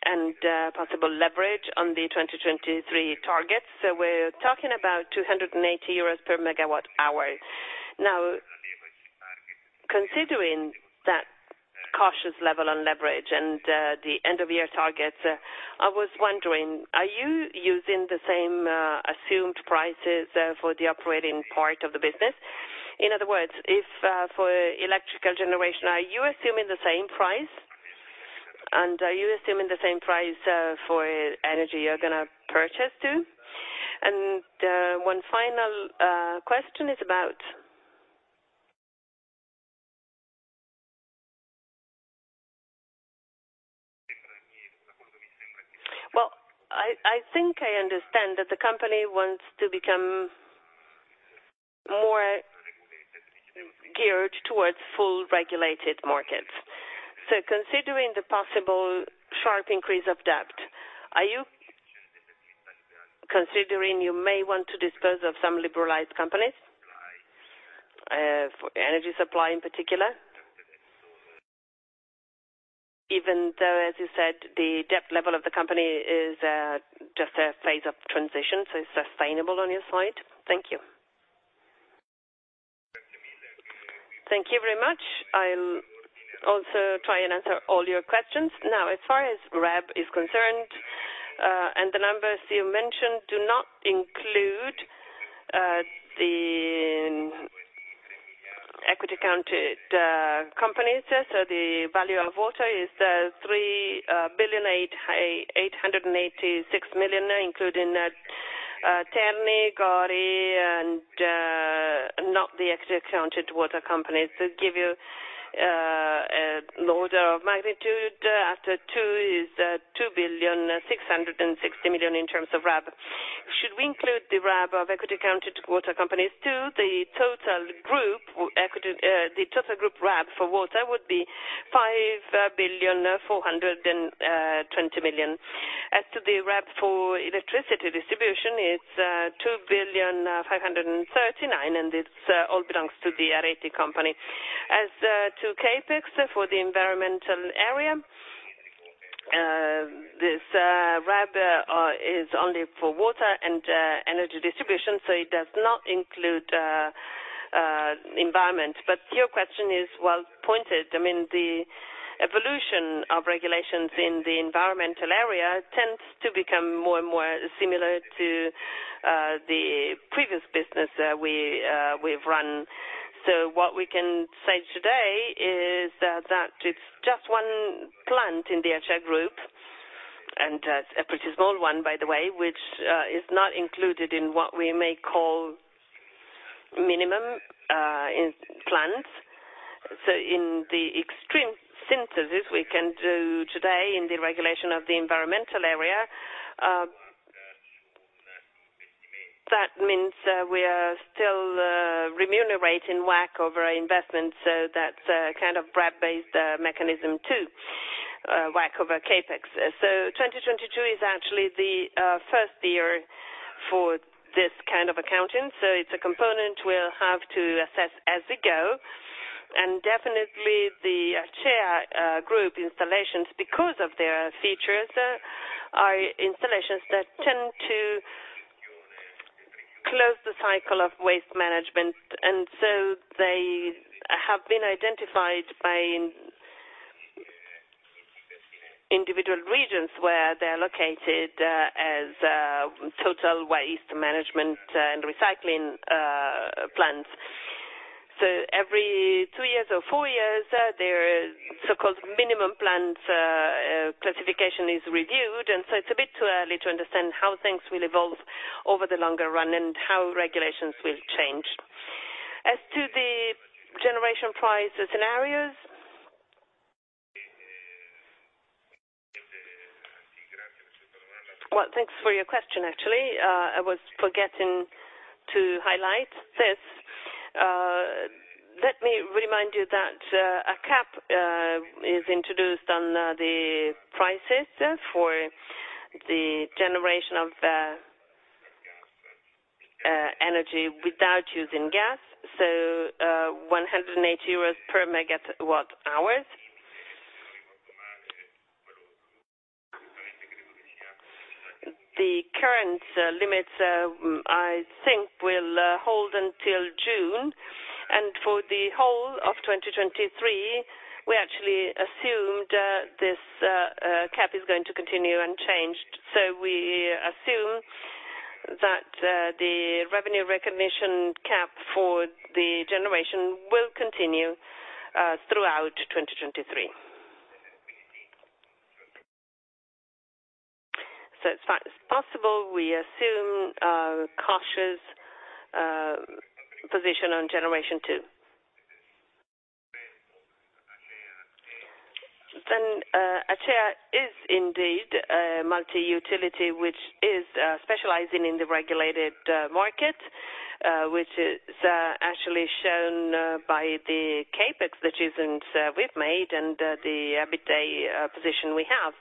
and possible leverage on the 2023 targets. We're talking about 280 euros per MWh. Considering that cautious level on leverage and the end of year targets, I was wondering, are you using the same assumed prices for the operating part of the business? In other words, if for electrical generation, are you assuming the same price, and are you assuming the same price for energy you're gonna purchase to? One final question is about. Well, I think I understand that the company wants to become more geared towards full regulated markets. So considering the possible sharp increase of debt, are you considering you may want to dispose of some liberalized companies for energy supply in particular? Even though, as you said, the debt level of the company is just a phase of transition, so it's sustainable on your side? Thank you. Thank you very much. I'll also try and answer all your questions. Now, as far as RAB is concerned, and the numbers you mentioned do not include the equity counted companies. So the value of water is 3 billion, 886 million, including Terna, GORI, and not the equity counted water companies. To give you an order of magnitude, Acea Ato 2 is 2.66 billion in terms of RAB. Should we include the RAB of equity counted water companies, too, the total group RAB for water would be 5.42 billion. As to the RAB for electricity distribution, it's 2.539 billion, and it all belongs to the Areti company. As to CapEx for the environmental area, this RAB is only for water and energy distribution, so it does not include environment. Your question is well-pointed. I mean, the evolution of regulations in the environmental area tends to become more and more similar to the previous business we've run. What we can say today is that it's just one plant in the Acea Group, and it's a pretty small one, by the way, which is not included in what we may call minimum in plants. In the extreme synthesis we can do today in the regulation of the environmental area, that means we are still remunerating WACC over investment, so that's a kind of RAB-based mechanism too, WACC over CapEx. 2022 is actually the first year for this kind of accounting, so it's a component we'll have to assess as we go. Definitely the Acea Group installations, because of their features, are installations that tend to close the cycle of waste management. They have been identified by individual regions where they're located as total waste management and recycling plants. Every two years or four years, their so-called minimum plants classification is reviewed. It's a bit too early to understand how things will evolve over the longer run and how regulations will change. As to the generation price scenarios... Well, thanks for your question, actually. I was forgetting to highlight this. Let me remind you that a cap is introduced on the prices for the generation of energy without using gas. 180 euros per MWh. The current limits, I think will hold until June. For the whole of 2023, we actually assumed this cap is going to continue unchanged. We assume that the revenue recognition cap for the generation will continue throughout 2023. As far as possible, we assume a cautious position on generation two. Acea is indeed a multi-utility which is specializing in the regulated market, which is actually shown by the CapEx that isn't we've made and the EBITDA position we have.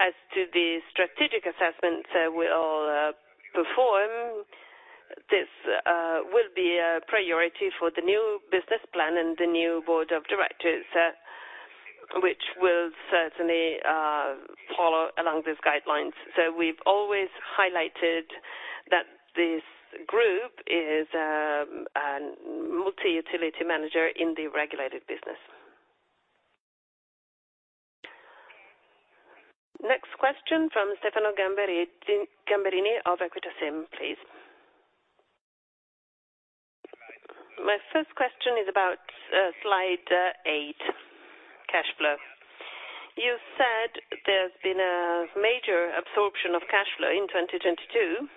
As to the strategic assessments, we'll perform. This will be a priority for the new business plan and the new board of directors, which will certainly follow along these guidelines. We've always highlighted that this group is multi-utility manager in the regulated business. Next question from Stefano Gamberini of Equita SIM, please. My first question is about slide eight, cash flow. You said there's been a major absorption of cash flow in 2022.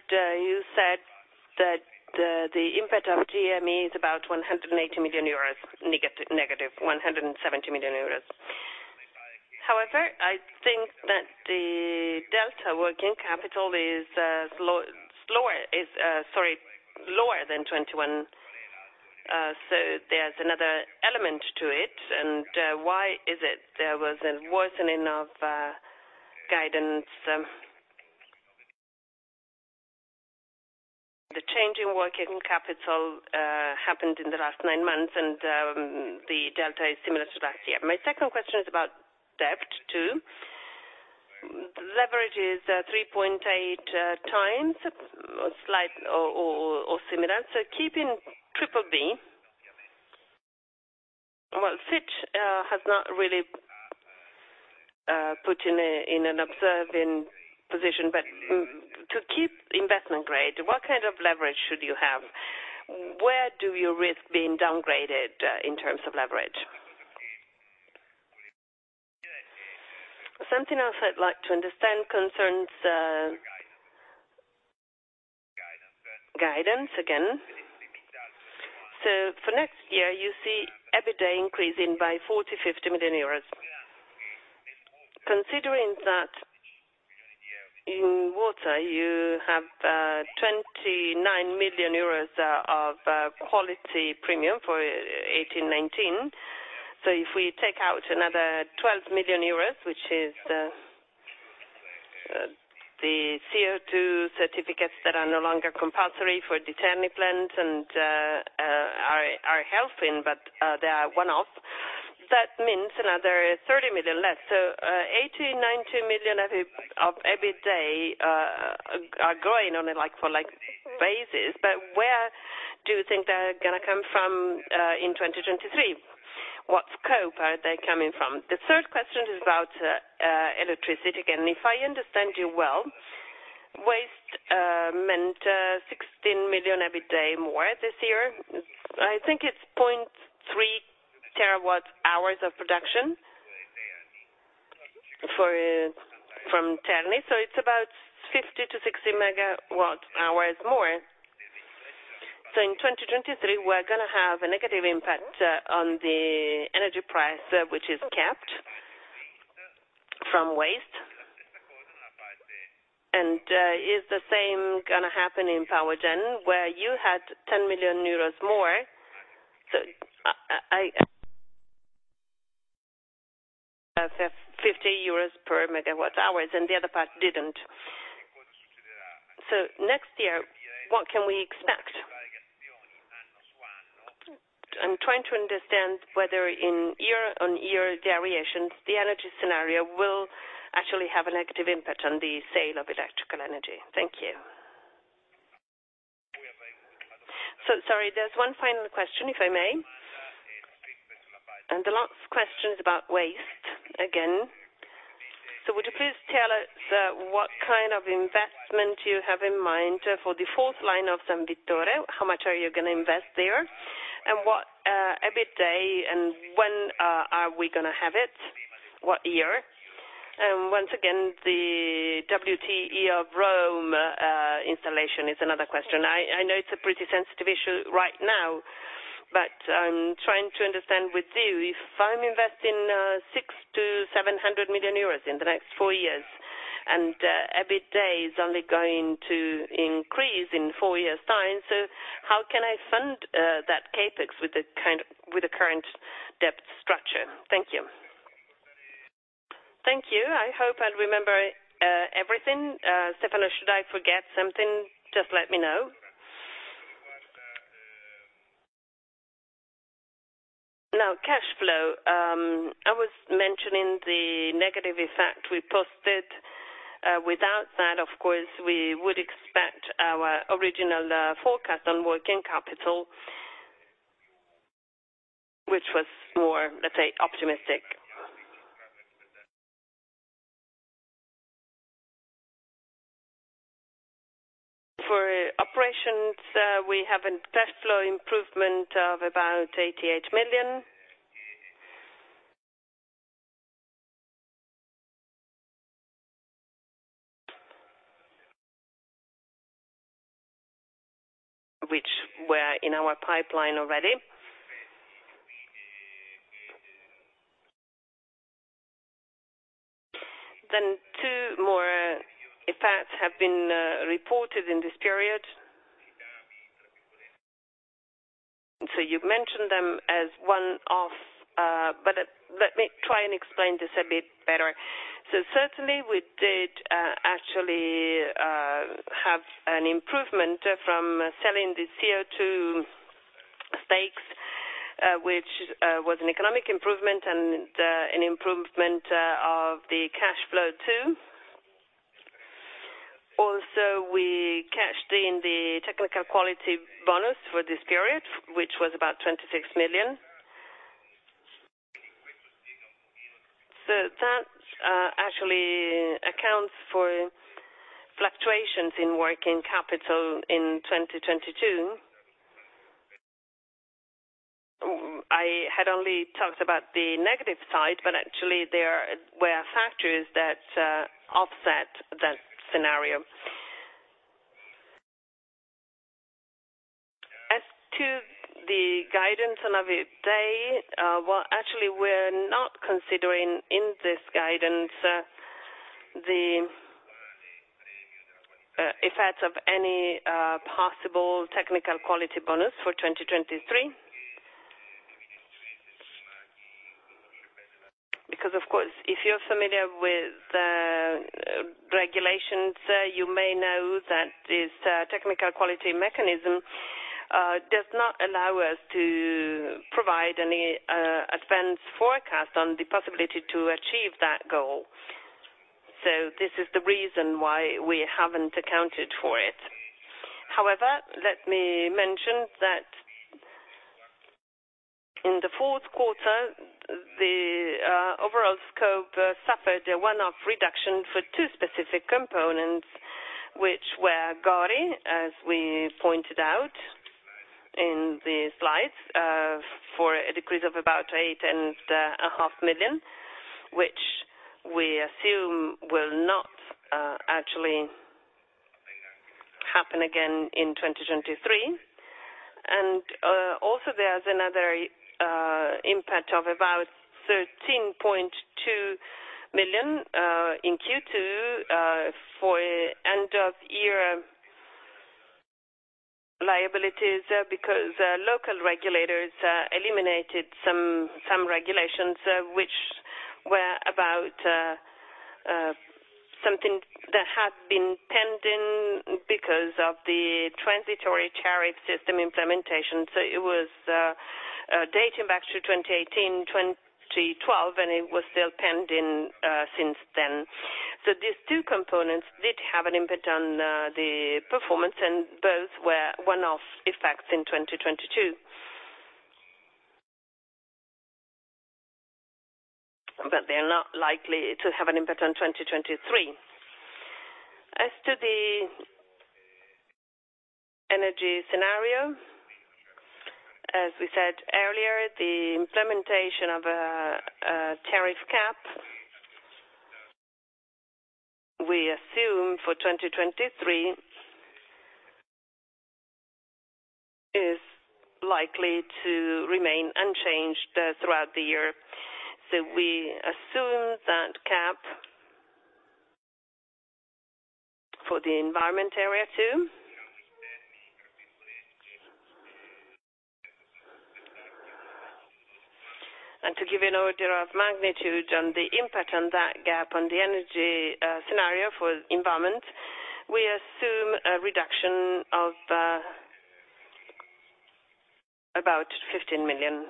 You said that the impact of GME is about 180 million euros negative, 170 million euros. However, I think that the delta working capital is slower, is sorry, lower than 2021. There's another element to it. Why is it there was a worsening of guidance? The change in working capital happened in the last nine months, and the delta is similar to last year. My second question is about debt too. Leverage is 3.8x, slight or similar. Keeping BBB. Well, Fitch has not really put in an observing position. To keep investment grade, what kind of leverage should you have? Where do you risk being downgraded in terms of leverage? Something else I'd like to understand concerns guidance again. For next year, you see EBITDA increasing by 40-50 million euros. Considering that in water, you have 29 million euros of quality premium for 2018, 2019. If we take out another 12 million euros, which is the CO2 certificates that are no longer compulsory for the Terni plant and are helping, but they are one-off, that means another 30 million less. 80-90 million of EBITDA are going on a like-for-like basis. Where do you think they're gonna come from in 2023? What scope are they coming from? The third question is about electricity. If I understand you well, waste, meant 16 million EBITDA more this year. I think it's 0.3 TWh of production for, from Terni. It's about 50-60 MWh more. In 2023, we're gonna have a negative impact on the energy price, which is capped from waste. Is the same gonna happen in power gen, where you had 10 million euros more? I... 50 euros per MWh, and the other part didn't. Next year, what can we expect? I'm trying to understand whether in year-on-year variations, the energy scenario will actually have a negative impact on the sale of electrical energy. Thank you. Sorry, there's one final question, if I may. The last question is about waste again. Would you please tell us what kind of investment you have in mind for the fourth line of San Vittore? How much are you going to invest there? What EBITDA and when are we going to have it? What year? Once again, the WTE of Rome installation is another question. I know it's a pretty sensitive issue right now, but I'm trying to understand with you. If I'm investing 600 million-700 million euros in the next four years, and EBITDA is only going to increase in four-year time, how can I fund that CapEx with the current debt structure? Thank you. I hope I remember everything. Stefano, should I forget something, just let me know. Now, cash flow, I was mentioning the negative effect we posted. Without that, of course, we would expect our original forecast on working capital, which was more, let's say, optimistic. For operations, we have a cash flow improvement of about 88 million. Which were in our pipeline already. Two more effects have been reported in this period. You've mentioned them as one-off, but let me try and explain this a bit better. Certainly, we did actually have an improvement from selling the CO2 stakes, which was an economic improvement and an improvement of the cash flow too. Also, we cashed in the technical quality bonus for this period, which was about 26 million. That actually accounts for fluctuations in working capital in 2022. I had only talked about the negative side, but actually, there were factors that offset that scenario. As to the guidance on a day, well, actually, we're not considering in this guidance the effects of any possible technical quality bonus for 2023. Because of course, if you're familiar with the regulations, you may know that this technical quality mechanism does not allow us to provide any advanced forecast on the possibility to achieve that goal. This is the reason why we haven't accounted for it. However, let me mention that in the fourth quarter, the overall scope suffered a one-off reduction for two specific components, which were GORI, as we pointed out in the slides, for a decrease of about 8.5 million, which we assume will not actually happen again in 2023. Also, there's another impact of about 13.2 million in Q2 for end of year liabilities because local regulators eliminated some regulations which were about something that had been pending because of the transitory tariff system implementation. It was dating back to 2018, 2012, and it was still pending since then. These two components did have an impact on the performance, and both were one-off effects in 2022. They're not likely to have an impact on 2023. As to the energy scenario, as we said earlier, the implementation of a tariff cap, we assume for 2023 is likely to remain unchanged throughout the year. We assume that cap for the environment area too. To give you an order of magnitude on the impact on that gap on the energy scenario for environment, we assume a reduction of about EUR 15 million.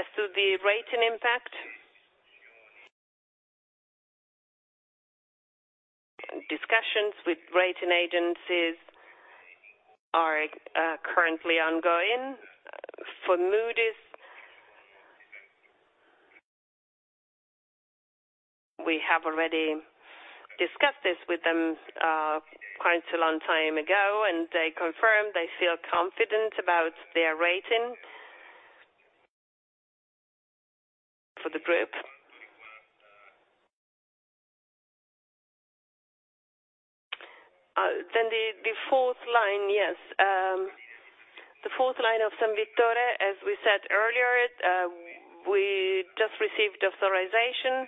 As to the rating impact, discussions with rating agencies are currently ongoing. For Moody's, we have already discussed this with them quite a long time ago, and they confirmed they feel confident about their rating for the group. The fourth line, yes. The fourth line of San Vittore, as we said earlier, we just received authorization.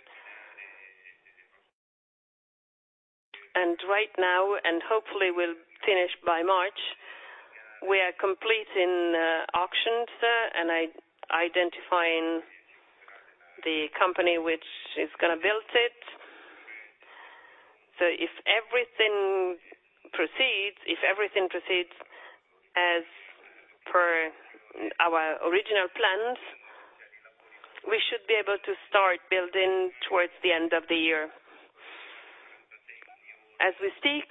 Right now, and hopefully will finish by March, we are completing auctions and identifying the company which is gonna build it. If everything proceeds as per our original plans, we should be able to start building towards the end of the year. As we speak,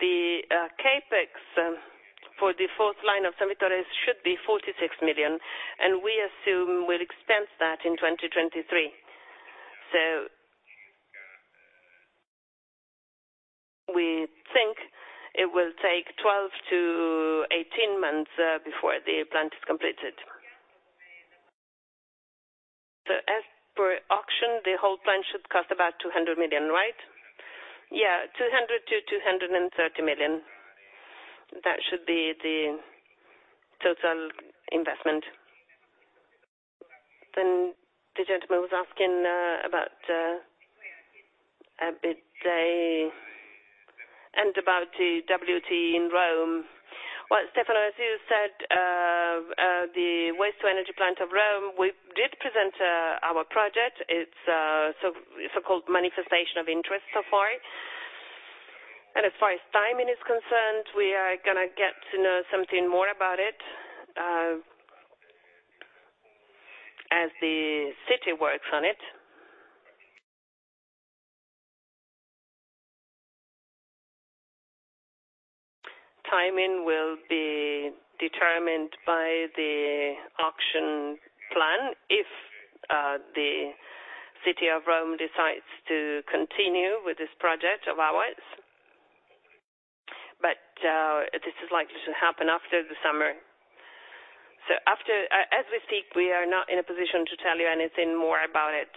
the CapEx for the fourth line of San Vittore should be 46 million, and we assume we'll expense that in 2023. We think it will take 12-18 months before the plant is completed. As per auction, the whole plan should cost about 200 million, right? Yeah, 200 million-230 million. That should be the total investment. The gentleman was asking about EBITDA and about the WTE in Rome. Well, Stefano, as you said, the waste to energy plant of Rome, we did present our project. It's a so-called manifestation of interest so far. As far as timing is concerned, we are gonna get to know something more about it as the city works on it. Timing will be determined by the auction plan if the city of Rome decides to continue with this project of ours. This is likely to happen after the summer. As we speak, we are not in a position to tell you anything more about it.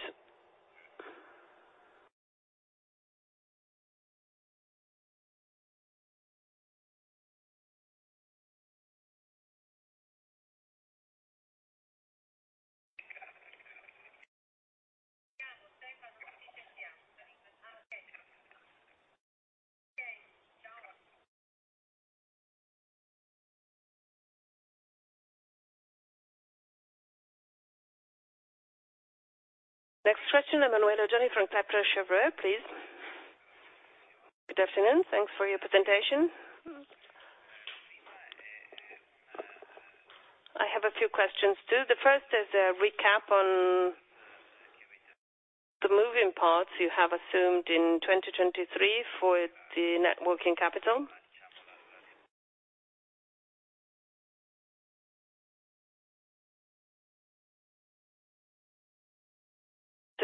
Next question, Emanuele Oggioni from Kepler Cheuvreux, please. Good afternoon. Thanks for your presentation. I have a few questions, too. The first is a recap on the moving parts you have assumed in 2023 for the net working capital.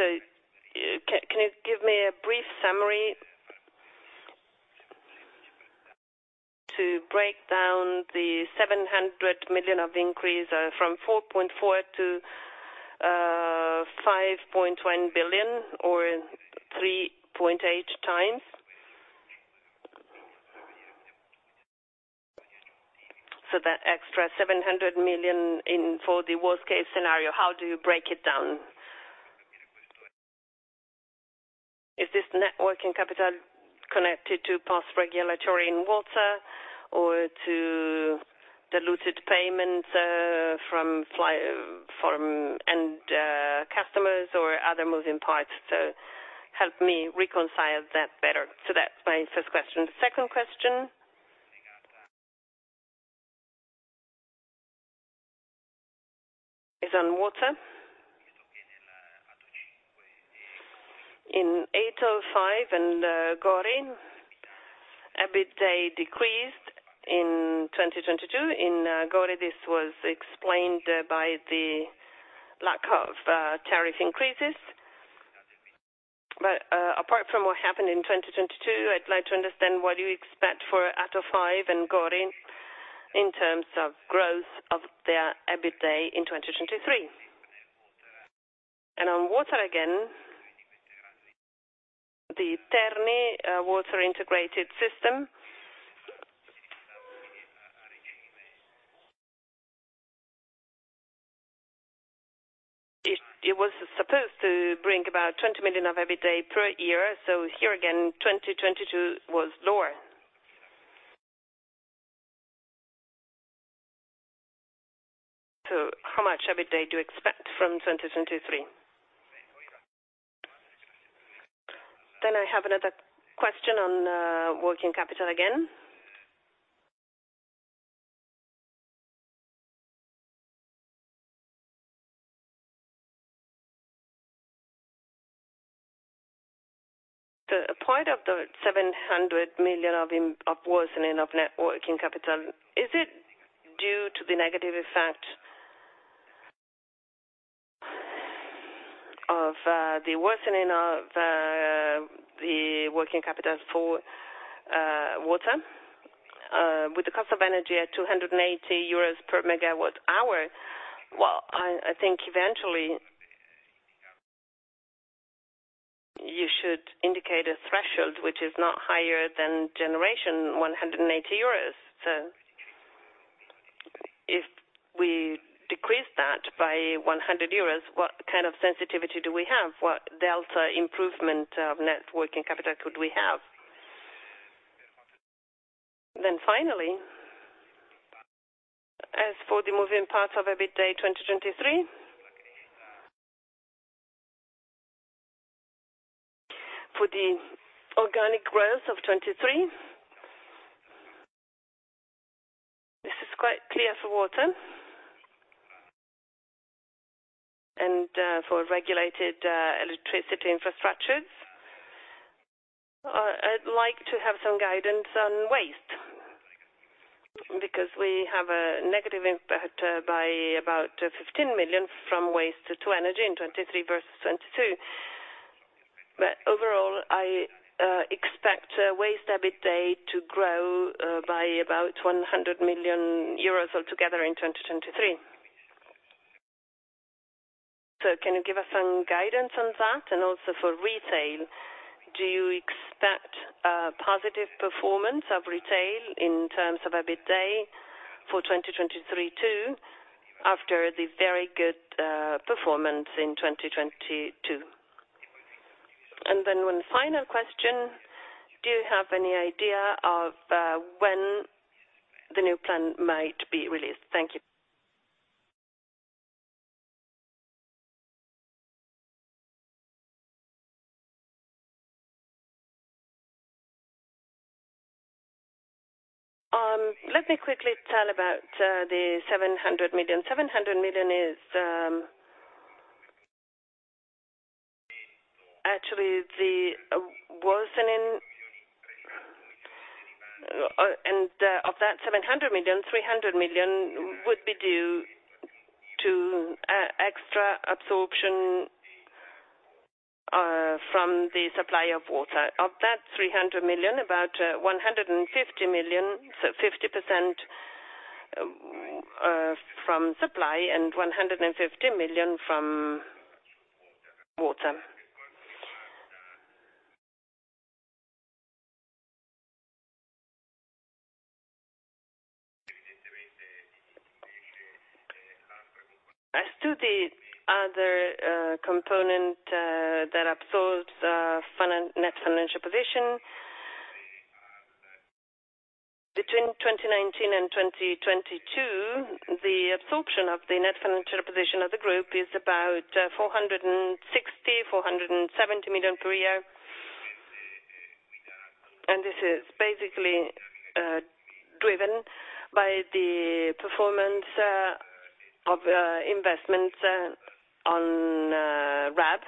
Can you give me a brief summary to break down the 700 million of increase from 4.4 billion to 5.1 billion or 3.8x? That extra 700 million for the worst case scenario, how do you break it down? Is this net working capital connected to past regulatory in water or to diluted payments from end customers or other moving parts to help me reconcile that better. That's my first question. Second question is on water. In ATO 5 and Gori, EBITDA decreased in 2022. In Gori, this was explained by the lack of tariff increases. Apart from what happened in 2022, I'd like to understand what you expect for ATO 5 and Gori in terms of growth of their EBITDA in 2023. On water again, the Terni Water Integrated System. It was supposed to bring about 20 million of EBITDA per year. Here again, 2022 was lower. How much EBITDA do you expect from 2023? I have another question on working capital again. The part of the 700 million of worsening of net working capital, is it due to the negative effect of the worsening of the working capital for water? With the cost of energy at 280 euros per MWh, well, I think eventually you should indicate a threshold which is not higher than generation 180 euros. If we decrease that by 100 euros, what kind of sensitivity do we have? What delta improvement of net working capital could we have? Finally, as for the moving parts of EBITDA 2023, for the organic growth of 2023, this is quite clear for water and for regulated electricity infrastructures. I'd like to have some guidance on waste because we have a negative impact by about 15 million from waste to energy in 2023 versus 2022. Overall, I expect waste EBITDA to grow by about 100 million euros altogether in 2023. Can you give us some guidance on that? Also for retail, do you expect positive performance of retail in terms of EBITDA for 2023 too, after the very good performance in 2022? Then one final question, do you have any idea of when the new plan might be released? Thank you. Let me quickly tell about the 700 million. 700 million is actually the worsening. Of that 700 million, 300 million would be due to e-extra absorption from the supply of water. Of that 300 million, about 150 million, so 50%, from supply and 150 million from water. As to the other component that absorbs net financial position, between 2019 and 2022, the absorption of the net financial position of the group is about 460 million-470 million per year. This is basically driven by the performance of investments on RAB.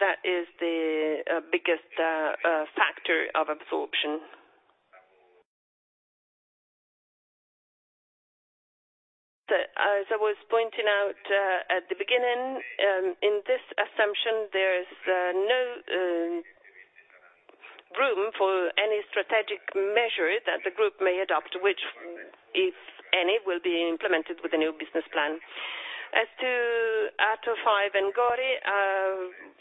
That is the biggest factor of absorption. As I was pointing out at the beginning, in this assumption, there is no room for any strategic measure that the group may adopt, which, if any, will be implemented with the new business plan. As to ATO 5 and GORI,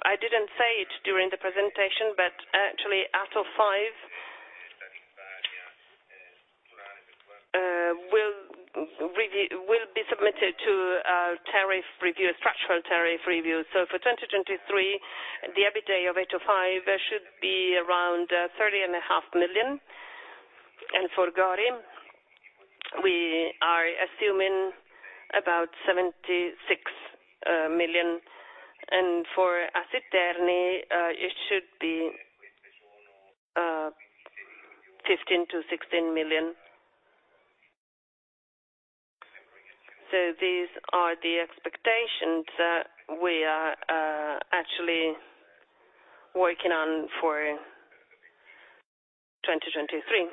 I didn't say it during the presentation, but actually ATO 5 will be submitted to a tariff review, structural tariff review. For 2023, the EBITDA of ATO 5 should be around thirty and a half million. For GORI, we are assuming about 76 million. For ASM Terni, it should be EUR 15 million-EUR 16 million. These are the expectations we are actually working on for 2023.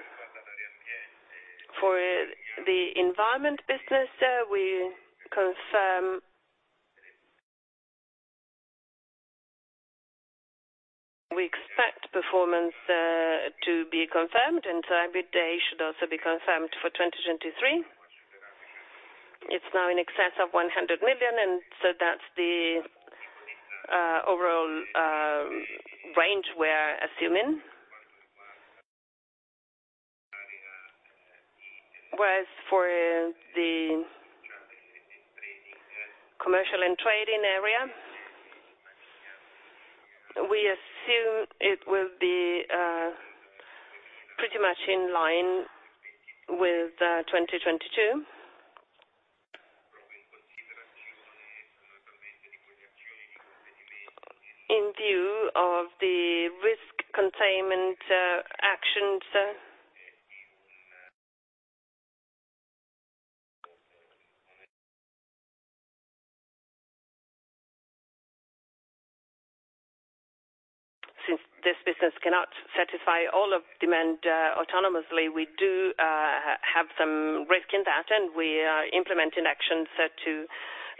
For the environment business, we expect performance to be confirmed, EBITDA should also be confirmed for 2023. It's now in excess of 100 million, that's the overall range we're assuming. Whereas for the commercial and trading area, we assume it will be pretty much in line with 2022. In view of the risk containment actions. Since this business cannot satisfy all of demand autonomously, we do have some risk in that, and we are implementing actions to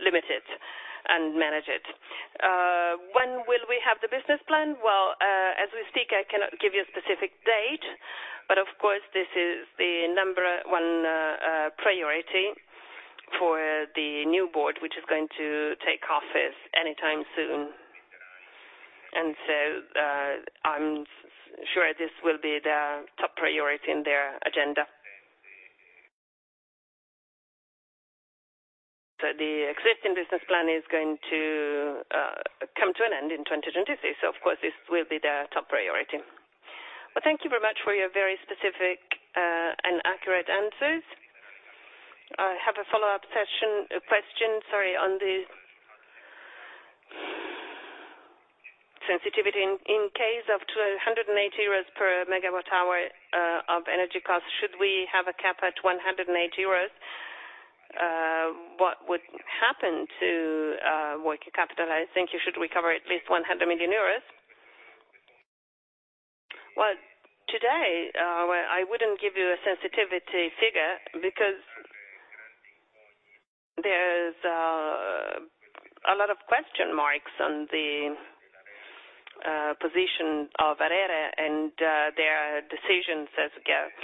limit it and manage it. When will we have the business plan? Well, as we speak, I cannot give you a specific date, but of course, this is the number one priority for the new board, which is going to take office anytime soon. I'm sure this will be the top priority in their agenda. The existing business plan is going to come to an end in 2023. Of course, this will be their top priority. Well, thank you very much for your very specific and accurate answers. I have a follow-up session question, sorry, on the sensitivity. In case of 280 euros per MWh of energy costs, should we have a cap at 180 euros, what would happen to working capital? I think you should recover at least 100 million euros. Well, today, I wouldn't give you a sensitivity figure because there's a lot of question marks on the position of ARERA and their decisions as it goes.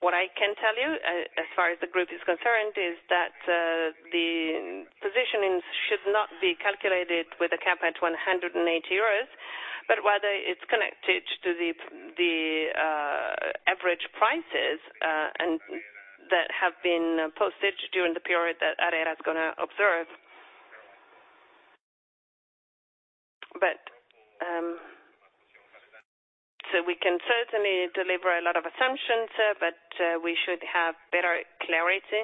What I can tell you as far as the group is concerned, is that the positioning should not be calculated with a cap at 180 euros, but rather it's connected to the average prices and that have been posted during the period that ARERA is gonna observe. We can certainly deliver a lot of assumptions, but we should have better clarity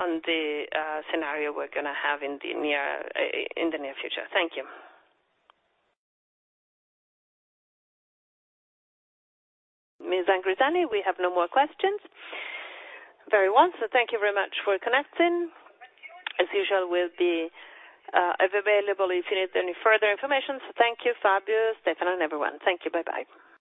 on the scenario we're gonna have in the near future. Thank you. Ms. Angrisani, we have no more questions. Very well. Thank you very much for connecting. As usual, we'll be available if you need any further information. Thank you, Fabio, Stefano, and everyone. Thank you. Bye-bye.